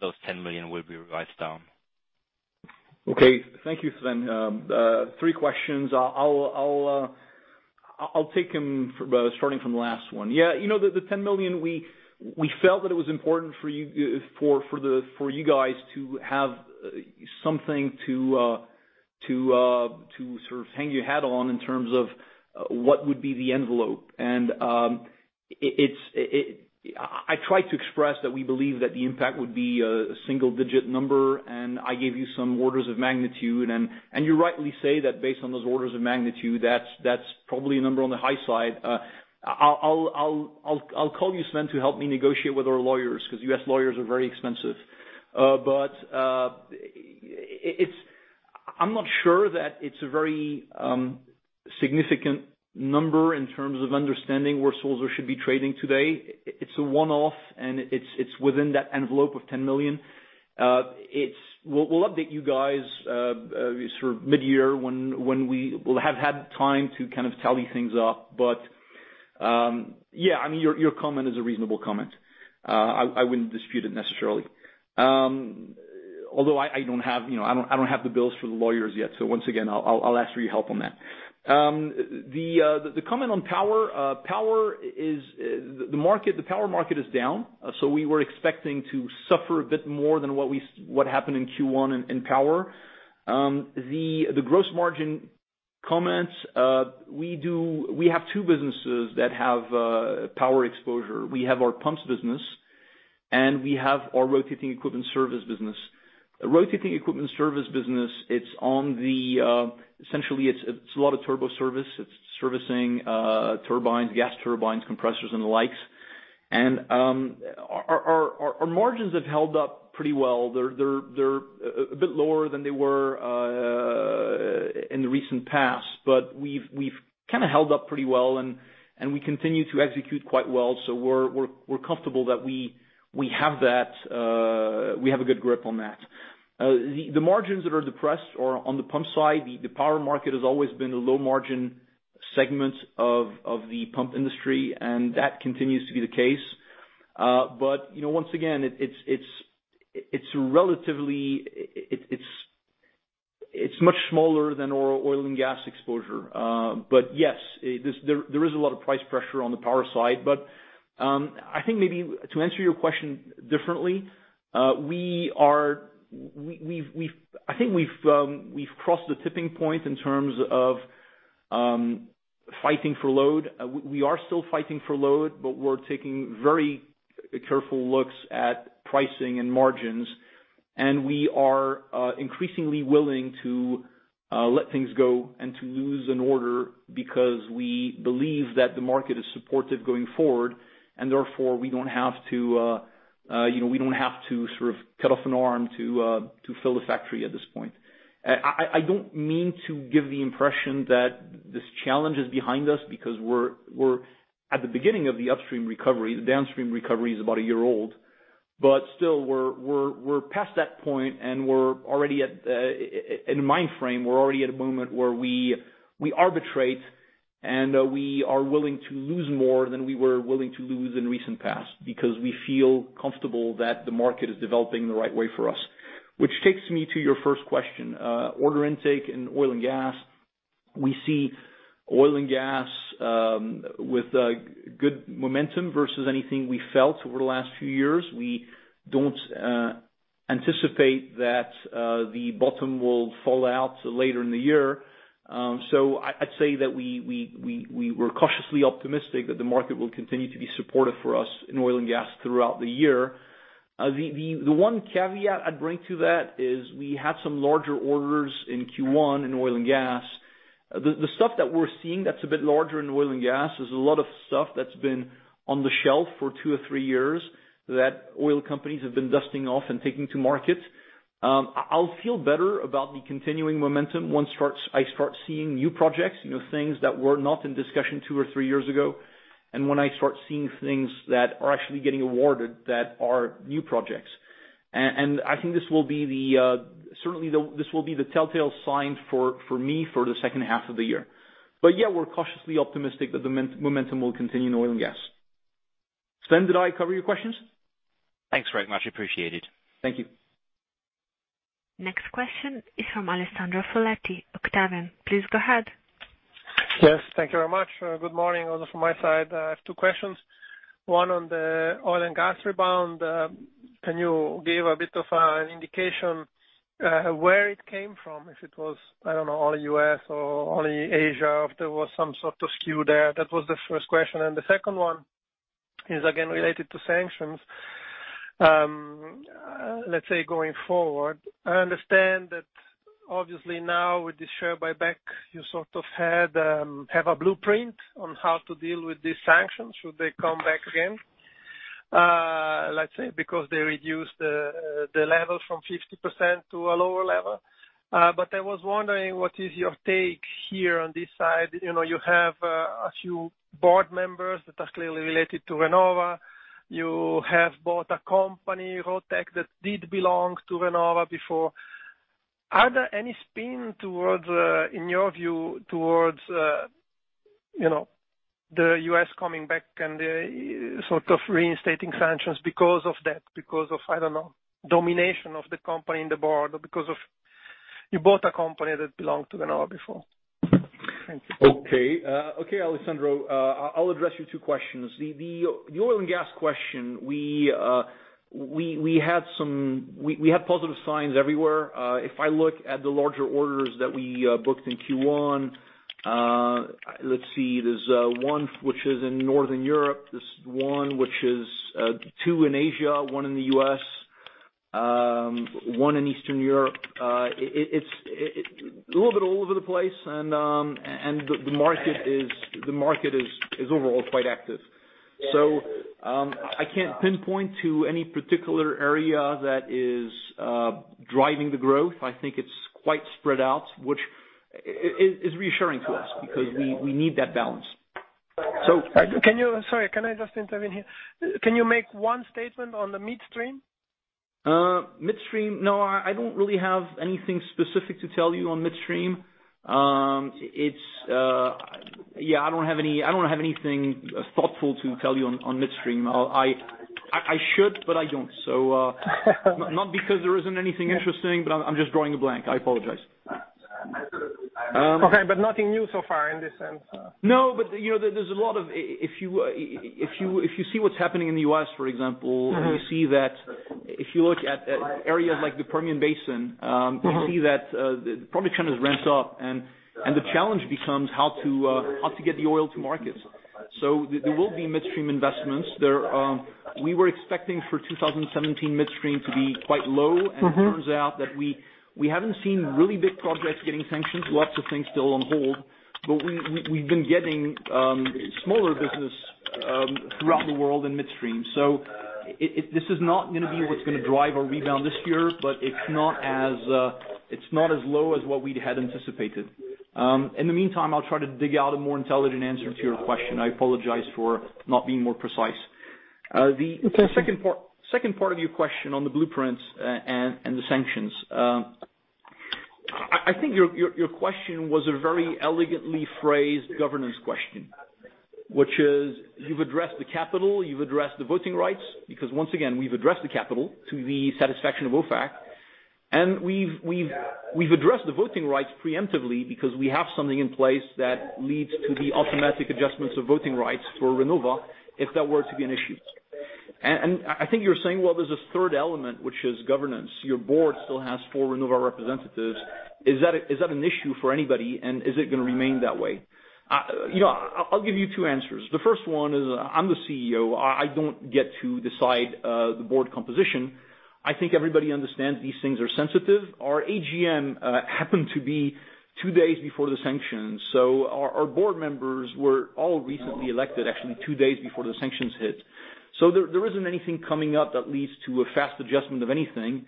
those 10 million will be revised down? Okay, thank you, Sven. Three questions. I'll take them starting from the last one. The 10 million, we felt that it was important for you guys to have something to hang your hat on in terms of what would be the envelope. I tried to express that we believe that the impact would be a single-digit number, and I gave you some orders of magnitude, and you rightly say that based on those orders of magnitude, that's probably a number on the high side. I'll call you, Sven, to help me negotiate with our lawyers because U.S. lawyers are very expensive. I'm not sure that it's a very significant number in terms of understanding where Sulzer should be trading today. It's a one-off, and it's within that envelope of 10 million. We'll update you guys mid-year when we will have had time to tally things up. Your comment is a reasonable comment. I wouldn't dispute it necessarily. Although I don't have the bills for the lawyers yet, once again, I'll ask for your help on that. The comment on power. The power market is down, so we were expecting to suffer a bit more than what happened in Q1 in power. The gross margin comments, we have two businesses that have power exposure. We have our pumps business and we have our rotating equipment service business. Rotating equipment service business, essentially it's a lot of turbo service. It's servicing turbines, gas turbines, compressors, and the likes. Our margins have held up pretty well. They're a bit lower than they were in the recent past, but we've held up pretty well, and we continue to execute quite well. We're comfortable that we have a good grip on that. The margins that are depressed are on the pump side. The power market has always been a low-margin segments of the pump industry, and that continues to be the case. Once again, it's much smaller than our oil and gas exposure. I think maybe to answer your question differently, I think we've crossed the tipping point in terms of fighting for load. We are still fighting for load, but we're taking very careful looks at pricing and margins, and we are increasingly willing to let things go and to lose an order because we believe that the market is supportive going forward, therefore, we don't have to sort of cut off an arm to fill the factory at this point. I don't mean to give the impression that this challenge is behind us because we're at the beginning of the upstream recovery. The downstream recovery is about a year old. Still, we're past that point, in mind frame, we're already at a moment where we arbitrate, we are willing to lose more than we were willing to lose in recent past, because we feel comfortable that the market is developing the right way for us. Which takes me to your first question, order intake in oil and gas. We see oil and gas with good momentum versus anything we felt over the last few years. We don't anticipate that the bottom will fall out later in the year. I'd say that we were cautiously optimistic that the market will continue to be supportive for us in oil and gas throughout the year. The one caveat I'd bring to that is we had some larger orders in Q1 in oil and gas. The stuff that we're seeing that's a bit larger in oil and gas is a lot of stuff that's been on the shelf for two or three years that oil companies have been dusting off and taking to market. I'll feel better about the continuing momentum once I start seeing new projects, things that were not in discussion two or three years ago, and when I start seeing things that are actually getting awarded that are new projects. I think this will be the telltale sign for me for the second half of the year. Yeah, we're cautiously optimistic that the momentum will continue in oil and gas. Sven, did I cover your questions? Thanks very much. Appreciated. Thank you. Next question is from Alessandro Foletti, Octavian. Please go ahead. Yes, thank you very much. Good morning also from my side. I have two questions. One on the oil and gas rebound. Can you give a bit of an indication where it came from? If it was, I don't know, only U.S. or only Asia, if there was some sort of skew there. That was the first question. The second one is again related to sanctions. Let's say going forward, I understand that obviously now with the share buyback, you sort of have a blueprint on how to deal with these sanctions should they come back again. Let's say because they reduced the level from 50% to a lower level. I was wondering, what is your take here on this side? You have a few board members that are clearly related to Renova. You have bought a company, ROTEC, that did belong to Renova before. Are there any spin, in your view, towards the U.S. coming back and sort of reinstating sanctions because of that? Because of, I don't know, domination of the company in the board, or because of you bought a company that belonged to Renova before. Thank you. Okay. Okay, Alessandro. I'll address your two questions. The oil and gas question, we have positive signs everywhere. If I look at the larger orders that we booked in Q1, let's see, there's one which is in Northern Europe, there's two in Asia, one in the U.S., one in Eastern Europe. The market is overall quite active. I can't pinpoint to any particular area that is driving the growth. I think it's quite spread out, which is reassuring to us because we need that balance. Sorry, can I just intervene here? Can you make one statement on the midstream? Midstream, no, I don't really have anything specific to tell you on midstream. I don't have anything thoughtful to tell you on midstream. I should, but I don't. Not because there isn't anything interesting, but I'm just drawing a blank. I apologize. Okay, nothing new so far in this sense? No, there's a lot of If you see what's happening in the U.S., for example- You see that if you look at areas like the Permian Basin- you see that the production has ramped up, and the challenge becomes how to get the oil to market. There will be midstream investments. We were expecting for 2017 midstream to be quite low. It turns out that we haven't seen really big projects getting sanctioned, lots of things still on hold, but we've been getting smaller business throughout the world in midstream. This is not going to be what's going to drive a rebound this year, but it's not as low as what we'd had anticipated. In the meantime, I'll try to dig out a more intelligent answer to your question. I apologize for not being more precise. The second part of your question on the blueprints and the sanctions. I think your question was a very elegantly phrased governance question, which is you've addressed the capital, you've addressed the voting rights, because once again, we've addressed the capital to the satisfaction of OFAC, and we've addressed the voting rights preemptively because we have something in place that leads to the automatic adjustments of voting rights for Renova if that were to be an issue. I think you're saying, well, there's a third element, which is governance. Your board still has four Renova representatives. Is that an issue for anybody, and is it gonna remain that way? I'll give you two answers. The first one is, I'm the CEO. I don't get to decide the board composition. I think everybody understands these things are sensitive. Our AGM happened to be two days before the sanctions, so our board members were all recently elected, actually, two days before the sanctions hit. There isn't anything coming up that leads to a fast adjustment of anything.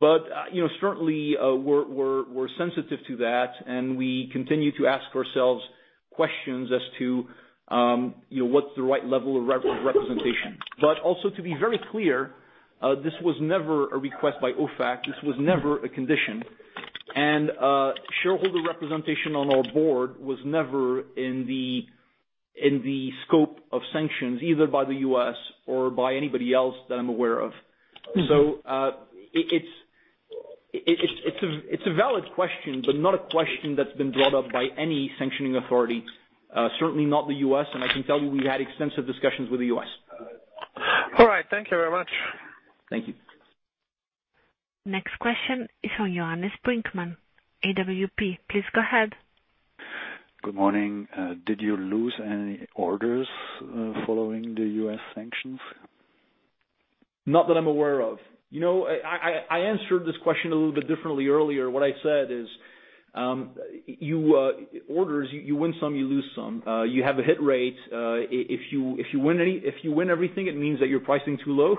Certainly, we're sensitive to that, and we continue to ask ourselves questions as to what's the right level of representation. Also, to be very clear, this was never a request by OFAC. This was never a condition. Shareholder representation on our board was never in the scope of sanctions, either by the U.S. or by anybody else that I'm aware of. It's a valid question, but not a question that's been brought up by any sanctioning authority, certainly not the U.S., and I can tell you we've had extensive discussions with the U.S. All right. Thank you very much. Thank you. Next question is from Johannes Brinkmann, AWP. Please go ahead. Good morning. Did you lose any orders following the U.S. sanctions? Not that I'm aware of. I answered this question a little bit differently earlier. What I said is, orders, you win some, you lose some. You have a hit rate. If you win everything, it means that you're pricing too low.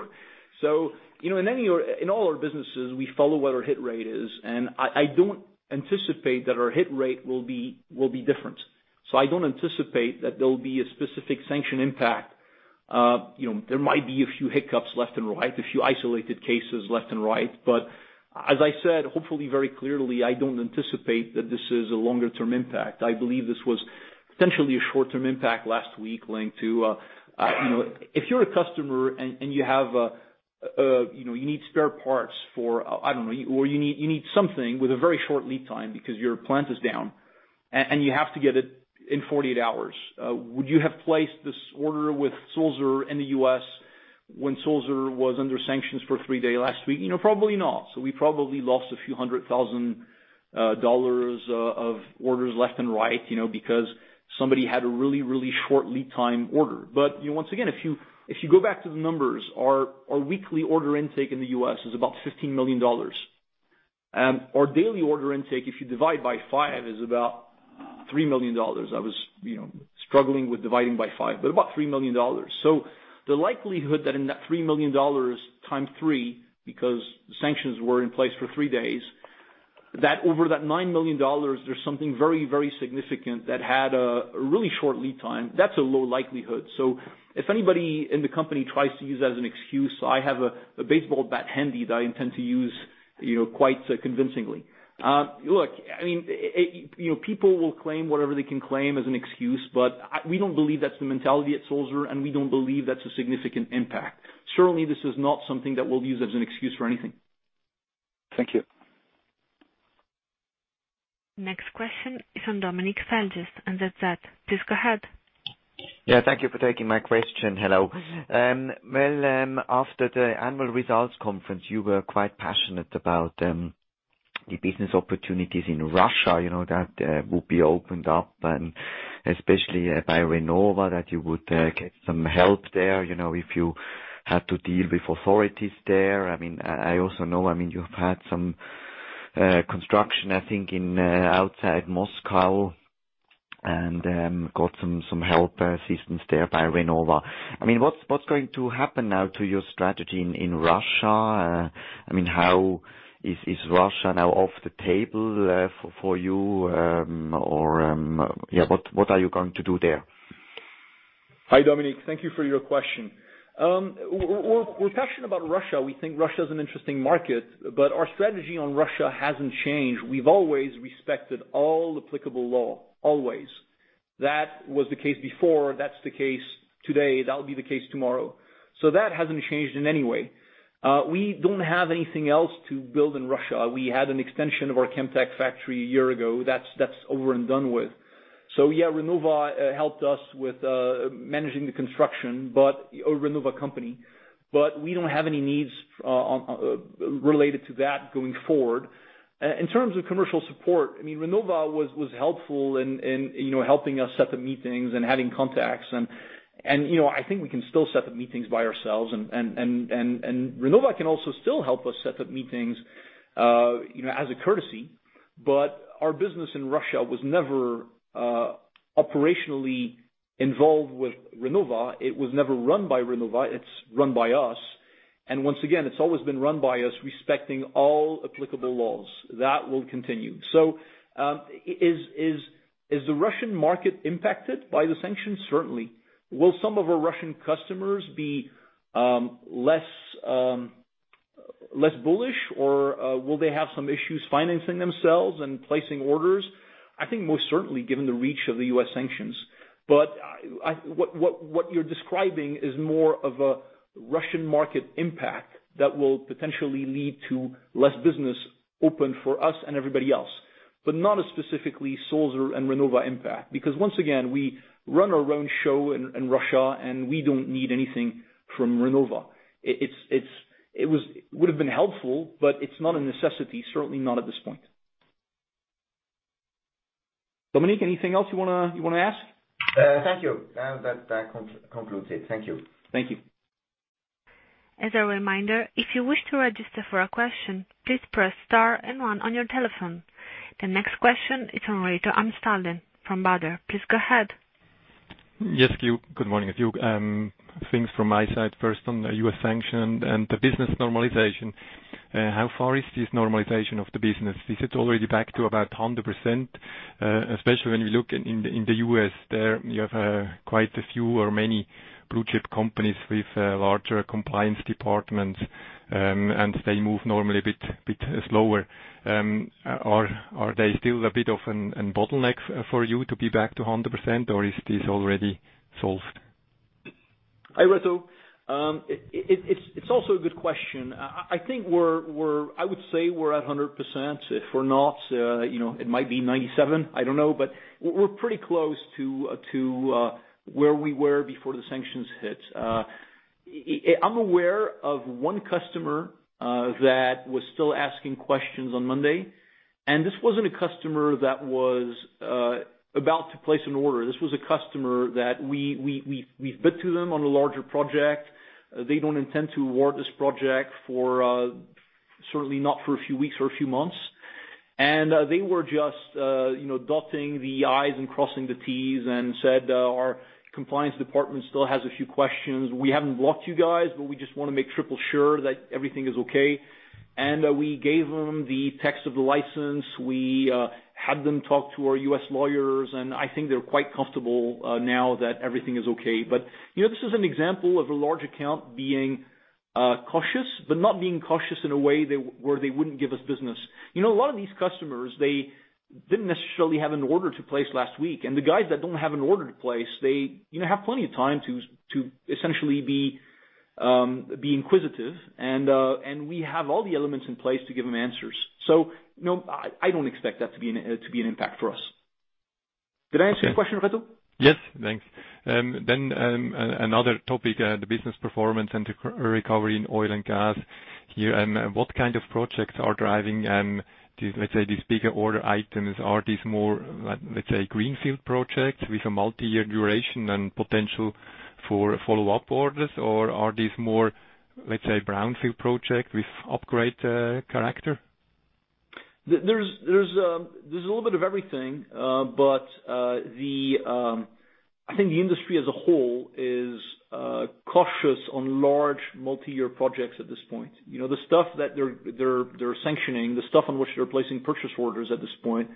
In all our businesses, we follow what our hit rate is, and I don't anticipate that our hit rate will be different. I don't anticipate that there'll be a specific sanction impact. There might be a few hiccups left and right, a few isolated cases left and right. As I said, hopefully very clearly, I don't anticipate that this is a longer-term impact. I believe this was essentially a short-term impact last week. If you're a customer and you need spare parts for, I don't know, or you need something with a very short lead time because your plant is down, and you have to get it in 48 hours, would you have placed this order with Sulzer in the U.S. when Sulzer was under sanctions for three days last week? Probably not. We probably lost a few hundred thousand dollars of orders left and right, because somebody had a really, really short lead time order. Once again, if you go back to the numbers, our weekly order intake in the U.S. is about $15 million. Our daily order intake, if you divide by five, is about $3 million. I was struggling with dividing by five, but about $3 million. The likelihood that in that $3 million times three, because sanctions were in place for three days, that over that $9 million, there's something very, very significant that had a really short lead time, that's a low likelihood. If anybody in the company tries to use that as an excuse, I have a baseball bat handy that I intend to use quite convincingly. Look, people will claim whatever they can claim as an excuse, but we don't believe that's the mentality at Sulzer, and we don't believe that's a significant impact. Certainly, this is not something that we'll use as an excuse for anything. Thank you. Next question is from Dominik Feldis, Under the Hood. Please go ahead. Thank you for taking my question. Hello. After the annual results conference, you were quite passionate about the business opportunities in Russia, that will be opened up, and especially by Renova, that you would get some help there if you had to deal with authorities there. I also know you've had some construction, I think, outside Moscow and got some help assistance there by Renova. What's going to happen now to your strategy in Russia? Is Russia now off the table for you, or what are you going to do there? Hi, Dominik. Thank you for your question. We're passionate about Russia. We think Russia is an interesting market. Our strategy on Russia hasn't changed. We've always respected all applicable law. Always. That was the case before, that's the case today, that'll be the case tomorrow. That hasn't changed in any way. We don't have anything else to build in Russia. We had an extension of our Chemtech factory a year ago. That's over and done with. Yeah, Renova helped us with managing the construction, or Renova company, but we don't have any needs related to that going forward. In terms of commercial support, Renova was helpful in helping us set up meetings and having contacts and, I think we can still set up meetings by ourselves, and Renova can also still help us set up meetings as a courtesy. Our business in Russia was never operationally involved with Renova. It was never run by Renova. It's run by us. Once again, it's always been run by us respecting all applicable laws. That will continue. Is the Russian market impacted by the sanctions? Certainly. Will some of our Russian customers be less bullish or will they have some issues financing themselves and placing orders? I think most certainly, given the reach of the U.S. sanctions. What you're describing is more of a Russian market impact that will potentially lead to less business open for us and everybody else, but not a specifically Sulzer and Renova impact. Because once again, we run our own show in Russia, and we don't need anything from Renova. It would've been helpful, but it's not a necessity, certainly not at this point. Dominik, anything else you want to ask? Thank you. That concludes it. Thank you. Thank you. As a reminder, if you wish to register for a question, please press star and one on your telephone. The next question is from Reto Amstalden from Baader. Please go ahead. Yes, thank you. Good morning, a few things from my side. First, on the U.S. sanction and the business normalization. How far is this normalization of the business? Is it already back to about 100%? Especially when you look in the U.S., there you have quite a few or many blue-chip companies with larger compliance departments, and they move normally a bit slower. Are they still a bit of a bottleneck for you to be back to 100%, or is this already solved? Hi, Reto. It's also a good question. I would say we're at 100%. If we're not, it might be 97. I don't know. We're pretty close to where we were before the sanctions hit. I'm aware of one customer that was still asking questions on Monday. This wasn't a customer that was about to place an order. This was a customer that we bid to them on a larger project. They don't intend to award this project, certainly not for a few weeks or a few months. They were just dotting the I's and crossing the T's and said our compliance department still has a few questions. We haven't blocked you guys, we just want to make triple sure that everything is okay. We gave them the text of the license. We had them talk to our U.S. lawyers. I think they're quite comfortable now that everything is okay. This is an example of a large account being cautious, but not being cautious in a way where they wouldn't give us business. A lot of these customers, they didn't necessarily have an order to place last week. The guys that don't have an order to place, they have plenty of time to essentially be inquisitive. We have all the elements in place to give them answers. No, I don't expect that to be an impact for us. Did I answer your question, Reto? Yes, thanks. Another topic, the business performance and the recovery in oil and gas. What kind of projects are driving, let's say, these bigger order items? Are these more, let's say, greenfield projects with a multi-year duration and potential for follow-up orders, or are these more, let's say, brownfield projects with upgrade character? There's a little bit of everything. I think the industry as a whole is cautious on large multi-year projects at this point. The stuff that they're sanctioning, the stuff on which they're placing purchase orders at this point,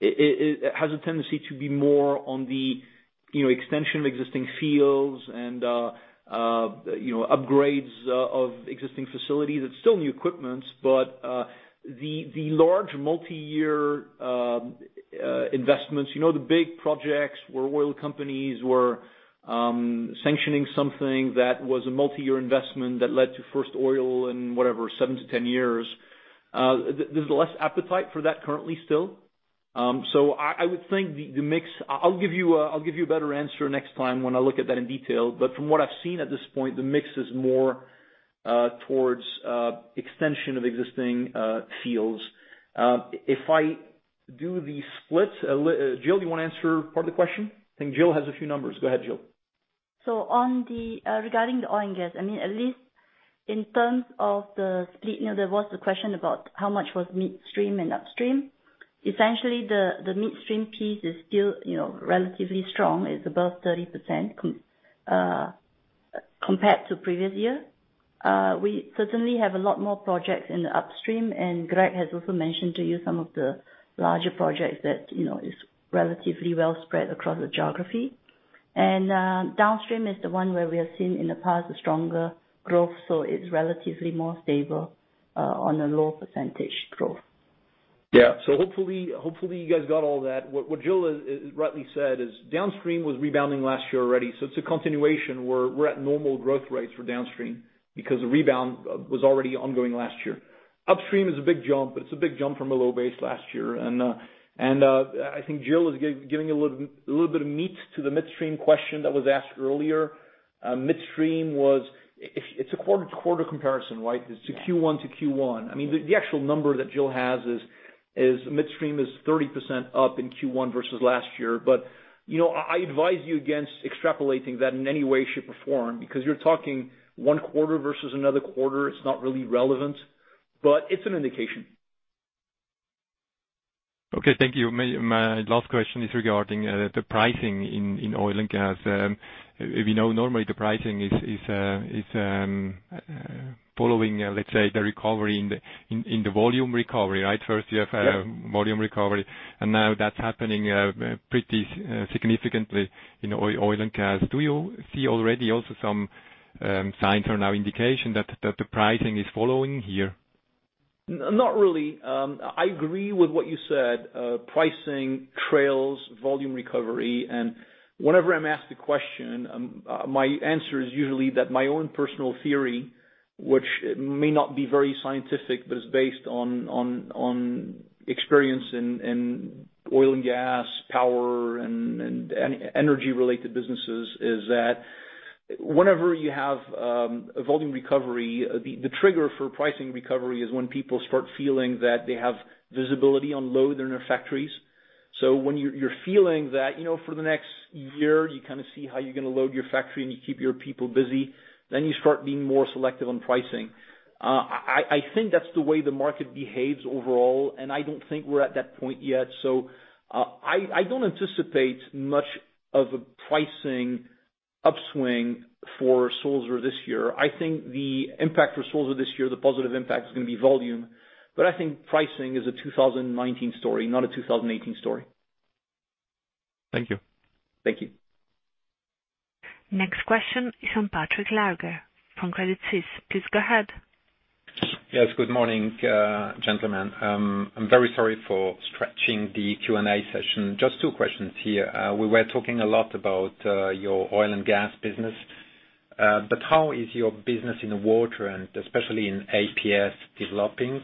it has a tendency to be more on the extension of existing fields and upgrades of existing facilities. It's still new equipments, the large multi-year investments, the big projects where oil companies were sanctioning something that was a multi-year investment that led to first oil in whatever, seven to 10 years, there's less appetite for that currently still. I would think the mix. I'll give you a better answer next time when I look at that in detail. From what I've seen at this point, the mix is more towards extension of existing fields. If I do the splits, Jill, do you want to answer part of the question? I think Jill has a few numbers. Go ahead, Jill. Regarding the oil and gas, at least in terms of the split, there was the question about how much was midstream and upstream. Essentially, the midstream piece is still relatively strong. It's above 30% compared to previous year. We certainly have a lot more projects in the upstream, and Greg has also mentioned to you some of the larger projects that is relatively well spread across the geography. Downstream is the one where we have seen in the past a stronger growth, so it's relatively more stable on a low percentage growth. Yeah. Hopefully you guys got all that. What Jill rightly said is downstream was rebounding last year already. It's a continuation. We're at normal growth rates for downstream because the rebound was already ongoing last year. Upstream is a big jump, but it's a big jump from a low base last year. I think Jill is giving a little bit of meat to the midstream question that was asked earlier. Midstream, it's a quarter comparison, right? It's Q1 to Q1. The actual number that Jill has is midstream is 30% up in Q1 versus last year. I advise you against extrapolating that in any way should perform, because you're talking one quarter versus another quarter. It's not really relevant, but it's an indication. Okay, thank you. My last question is regarding the pricing in oil and gas. We know normally the pricing is following, let's say, the recovery in the volume recovery, right? First you have Yes Volume recovery. Now that's happening pretty significantly in oil and gas. Do you see already also some signs or now indication that the pricing is following here? Not really. I agree with what you said. Pricing trails volume recovery. Whenever I'm asked the question, my answer is usually that my own personal theory, which may not be very scientific, but is based on experience in oil and gas, power, and energy-related businesses, is that whenever you have a volume recovery, the trigger for pricing recovery is when people start feeling that they have visibility on load in their factories. When you're feeling that for the next year, you kind of see how you're going to load your factory, you keep your people busy, then you start being more selective on pricing. I think that's the way the market behaves overall. I don't think we're at that point yet. I don't anticipate much of a pricing upswing for Sulzer this year. I think the impact for Sulzer this year, the positive impact is going to be volume. I think pricing is a 2019 story, not a 2018 story. Thank you. Thank you. Next question is from Patrick Laager from Credit Suisse. Please go ahead. Yes. Good morning, gentlemen. I'm very sorry for stretching the Q&A session. Just two questions here. We were talking a lot about your oil and gas business. How is your business in the water and especially in APS developing?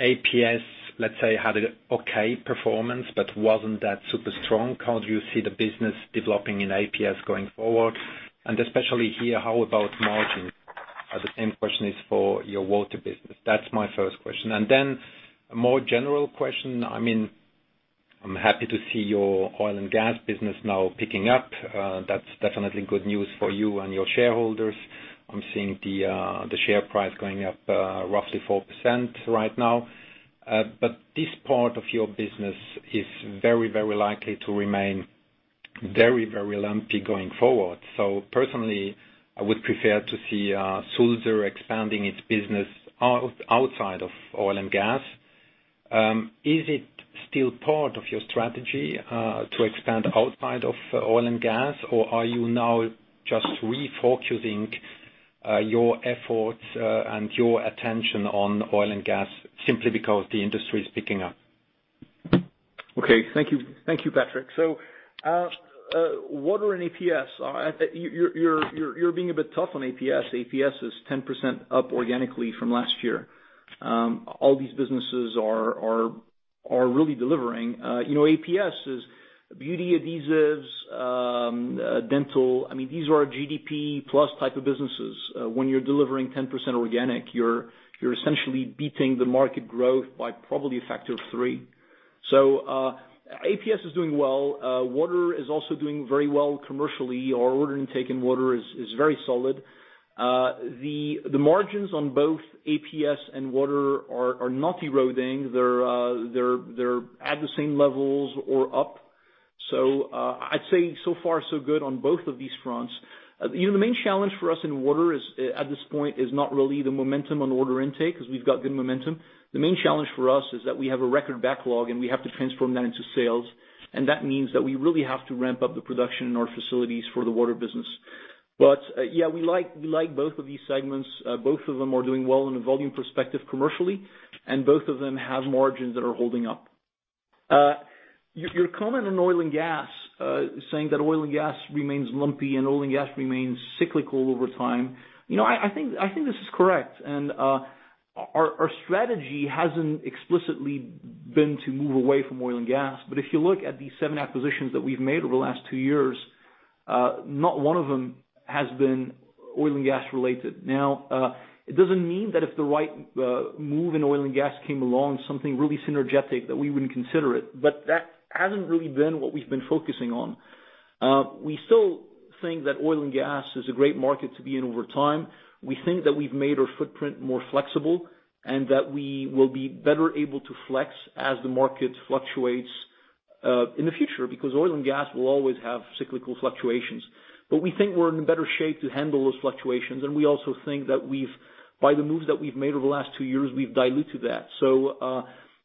APS, let's say, had an okay performance, but wasn't that super strong. How do you see the business developing in APS going forward? Especially here, how about margin? The same question is for your water business. That's my first question. Then a more general question. I'm happy to see your oil and gas business now picking up. That's definitely good news for you and your shareholders. I'm seeing the share price going up roughly 4% right now. This part of your business is very likely to remain very lumpy going forward. Personally, I would prefer to see Sulzer expanding its business outside of oil and gas. Is it still part of your strategy, to expand outside of oil and gas? Are you now just refocusing your efforts and your attention on oil and gas simply because the industry is picking up? Okay. Thank you, Patrick. Water and APS. You're being a bit tough on APS. APS is 10% up organically from last year. All these businesses are really delivering. APS is beauty adhesives, dental. These are our GDP plus type of businesses. When you're delivering 10% organic, you're essentially beating the market growth by probably a factor of three. APS is doing well. Water is also doing very well commercially. Our order intake in water is very solid. The margins on both APS and water are not eroding. They're at the same levels or up. I'd say so far so good on both of these fronts. The main challenge for us in water is, at this point, is not really the momentum on order intake, because we've got good momentum. The main challenge for us is that we have a record backlog, and we have to transform that into sales, and that means that we really have to ramp up the production in our facilities for the water business. But yeah, we like both of these segments. Both of them are doing well in a volume perspective commercially, and both of them have margins that are holding up. Your comment on oil and gas, saying that oil and gas remains lumpy and oil and gas remains cyclical over time. I think this is correct. Our strategy hasn't explicitly been to move away from oil and gas. If you look at the seven acquisitions that we've made over the last two years, not one of them has been oil and gas-related. It doesn't mean that if the right move in oil and gas came along, something really synergetic, that we wouldn't consider it. That hasn't really been what we've been focusing on. We still think that oil and gas is a great market to be in over time. We think that we've made our footprint more flexible, and that we will be better able to flex as the market fluctuates, in the future, because oil and gas will always have cyclical fluctuations. We think we're in better shape to handle those fluctuations. We also think that by the moves that we've made over the last two years, we've diluted that.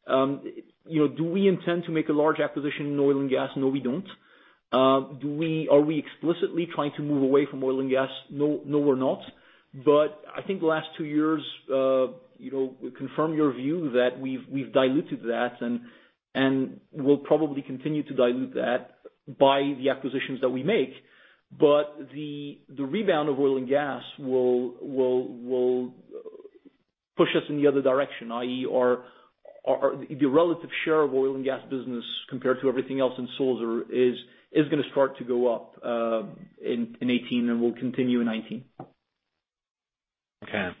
Do we intend to make a large acquisition in oil and gas? No, we don't. Are we explicitly trying to move away from oil and gas? No, we're not. I think the last two years, we confirm your view that we've diluted that, and we'll probably continue to dilute that by the acquisitions that we make. The rebound of oil and gas will push us in the other direction, i.e., the relative share of oil and gas business compared to everything else in Sulzer is going to start to go up in 2018 and will continue in 2019. Okay.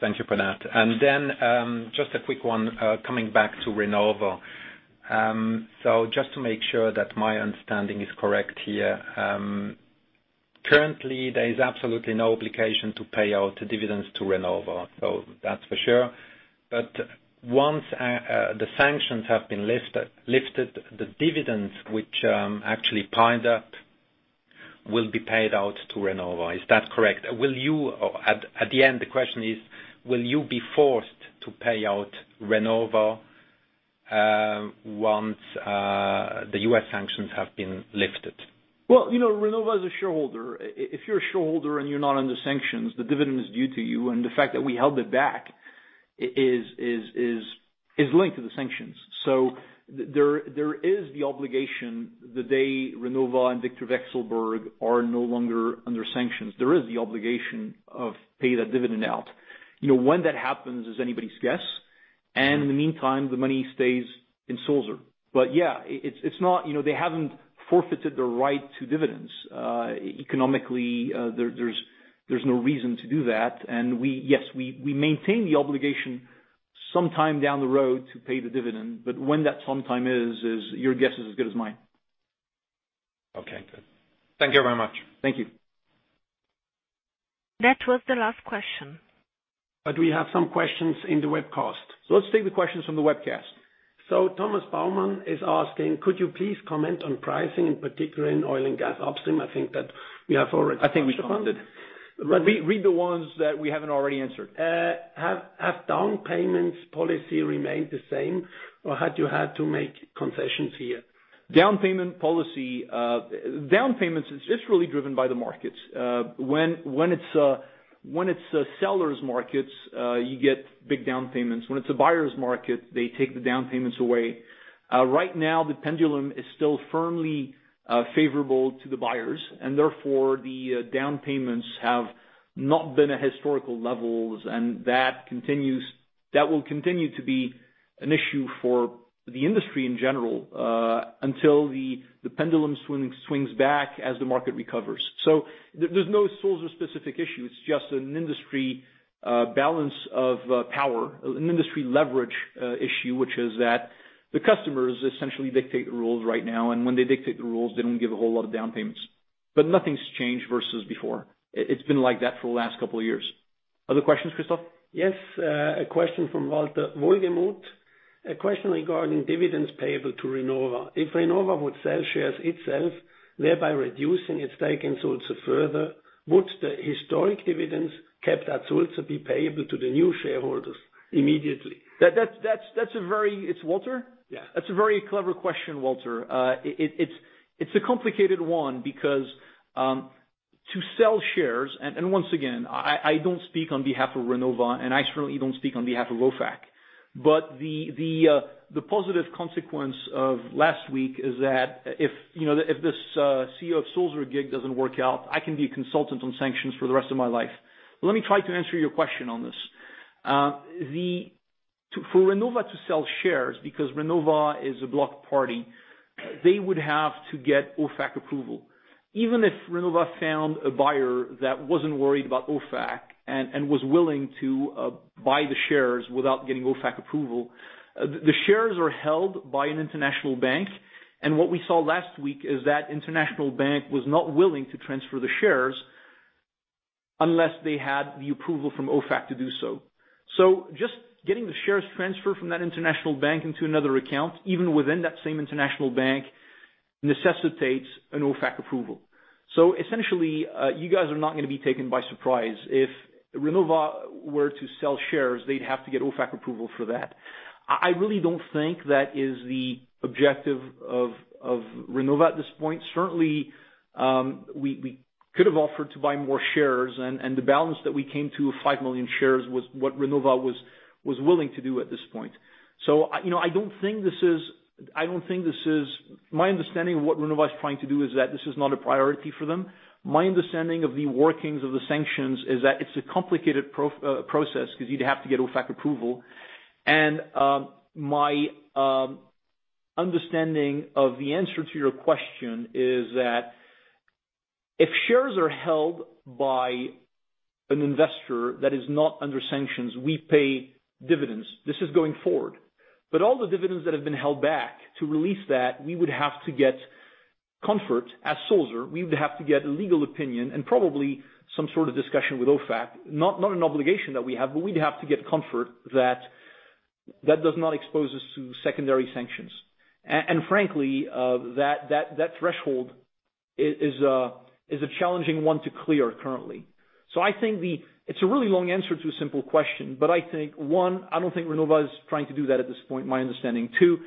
Thank you for that. Then, just a quick one, coming back to Renova. Just to make sure that my understanding is correct here Currently, there is absolutely no obligation to pay out the dividends to Renova. That's for sure. Once the sanctions have been lifted, the dividends which actually piled up will be paid out to Renova. Is that correct? At the end, the question is, will you be forced to pay out Renova once the U.S. sanctions have been lifted? Well, Renova is a shareholder. If you're a shareholder and you're not under sanctions, the dividend is due to you. The fact that we held it back is linked to the sanctions. There is the obligation, the day Renova and Viktor Vekselberg are no longer under sanctions, there is the obligation of pay that dividend out. When that happens is anybody's guess, and in the meantime, the money stays in Sulzer. Yeah, they haven't forfeited their right to dividends. Economically, there's no reason to do that. Yes, we maintain the obligation sometime down the road to pay the dividend, but when that sometime is, your guess is as good as mine. Okay, good. Thank you very much. Thank you. That was the last question. We have some questions in the webcast. Let's take the questions from the webcast. Thomas Baumann is asking, could you please comment on pricing, in particular in oil and gas upstream? I think that we have already touched upon this. I think we should. Read the ones that we haven't already answered. Have down payments policy remained the same, or had you had to make concessions here? Down payment policy. Down payments, it's really driven by the markets. When it's a seller's market, you get big down payments. When it's a buyer's market, they take the down payments away. Right now, the pendulum is still firmly favorable to the buyers, and therefore the down payments have not been at historical levels, and that will continue to be an issue for the industry in general, until the pendulum swings back as the market recovers. There's no Sulzer specific issue. It's just an industry balance of power, an industry leverage issue, which is that the customers essentially dictate the rules right now, and when they dictate the rules, they don't give a whole lot of down payments. Nothing's changed versus before. It's been like that for the last couple of years. Other questions, Christoph? Yes. A question from Walter Wohlgemuth. A question regarding dividends payable to Renova. If Renova would sell shares itself, thereby reducing its stake in Sulzer further, would the historic dividends kept at Sulzer be payable to the new shareholders immediately? It's Walter? Yeah. That's a very clever question, Walter. It's a complicated one because to sell shares, and once again, I don't speak on behalf of Renova, and I certainly don't speak on behalf of OFAC. The positive consequence of last week is that if this CEO of Sulzer gig doesn't work out, I can be a consultant on sanctions for the rest of my life. Let me try to answer your question on this. For Renova to sell shares, because Renova is a blocked party, they would have to get OFAC approval. Even if Renova found a buyer that wasn't worried about OFAC and was willing to buy the shares without getting OFAC approval, the shares are held by an international bank, and what we saw last week is that international bank was not willing to transfer the shares unless they had the approval from OFAC to do so. Just getting the shares transferred from that international bank into another account, even within that same international bank, necessitates an OFAC approval. Essentially, you guys are not going to be taken by surprise. If Renova were to sell shares, they'd have to get OFAC approval for that. I really don't think that is the objective of Renova at this point. Certainly, we could have offered to buy more shares, and the balance that we came to of 5 million shares was what Renova was willing to do at this point. My understanding of what Renova is trying to do is that this is not a priority for them. My understanding of the workings of the sanctions is that it's a complicated process because you'd have to get OFAC approval. My understanding of the answer to your question is that if shares are held by an investor that is not under sanctions, we pay dividends. This is going forward. All the dividends that have been held back, to release that, we would have to get comfort as Sulzer, we would have to get a legal opinion and probably some sort of discussion with OFAC, not an obligation that we have, but we'd have to get comfort that does not expose us to secondary sanctions. Frankly, that threshold is a challenging one to clear currently. It's a really long answer to a simple question, but I think, one, I don't think Renova is trying to do that at this point, my understanding. Two,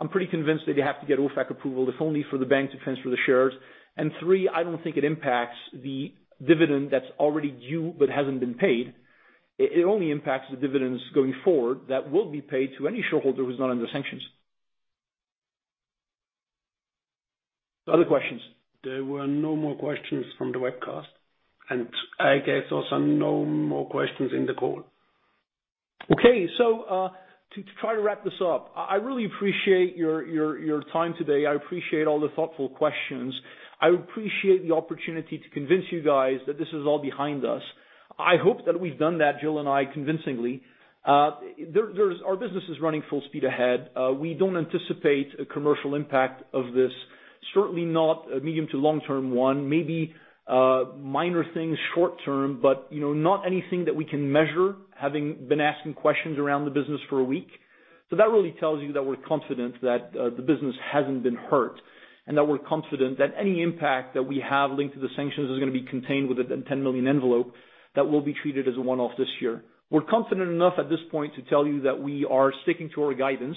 I'm pretty convinced they'd have to get OFAC approval, if only for the bank to transfer the shares. Three, I don't think it impacts the dividend that's already due but hasn't been paid. It only impacts the dividends going forward that will be paid to any shareholder who's not under sanctions. Other questions? There were no more questions from the webcast, I guess also no more questions in the call. Okay. To try to wrap this up. I really appreciate your time today. I appreciate all the thoughtful questions. I appreciate the opportunity to convince you guys that this is all behind us. I hope that we've done that, Jill and I, convincingly. Our business is running full speed ahead. We don't anticipate a commercial impact of this. Certainly not a medium to long-term one. Maybe minor things short-term, but not anything that we can measure, having been asking questions around the business for a week. That really tells you that we're confident that the business hasn't been hurt, and that we're confident that any impact that we have linked to the sanctions is gonna be contained within the 10 million envelope that will be treated as a one-off this year. We're confident enough at this point to tell you that we are sticking to our guidance.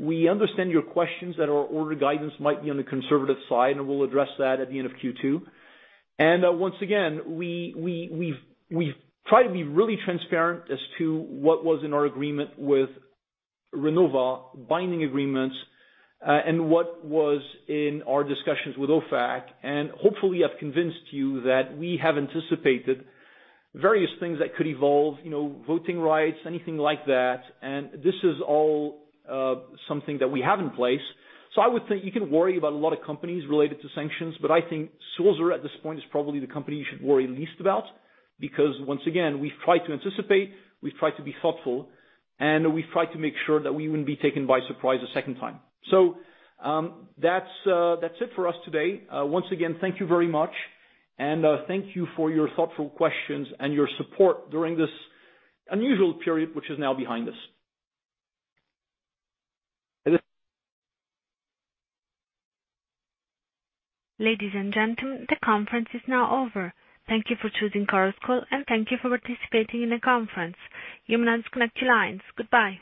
We understand your questions that our order guidance might be on the conservative side, we'll address that at the end of Q2. Once again, we've tried to be really transparent as to what was in our agreement with Renova, binding agreements, and what was in our discussions with OFAC. Hopefully, I've convinced you that we have anticipated various things that could evolve, voting rights, anything like that. This is all something that we have in place. I would think you can worry about a lot of companies related to sanctions, but I think Sulzer at this point is probably the company you should worry least about, because once again, we've tried to anticipate, we've tried to be thoughtful, and we've tried to make sure that we wouldn't be taken by surprise a second time. That's it for us today. Once again, thank you very much, and thank you for your thoughtful questions and your support during this unusual period, which is now behind us. Ladies and gentlemen, the conference is now over. Thank you for choosing Chorus Call, and thank you for participating in the conference. You may disconnect your lines. Goodbye.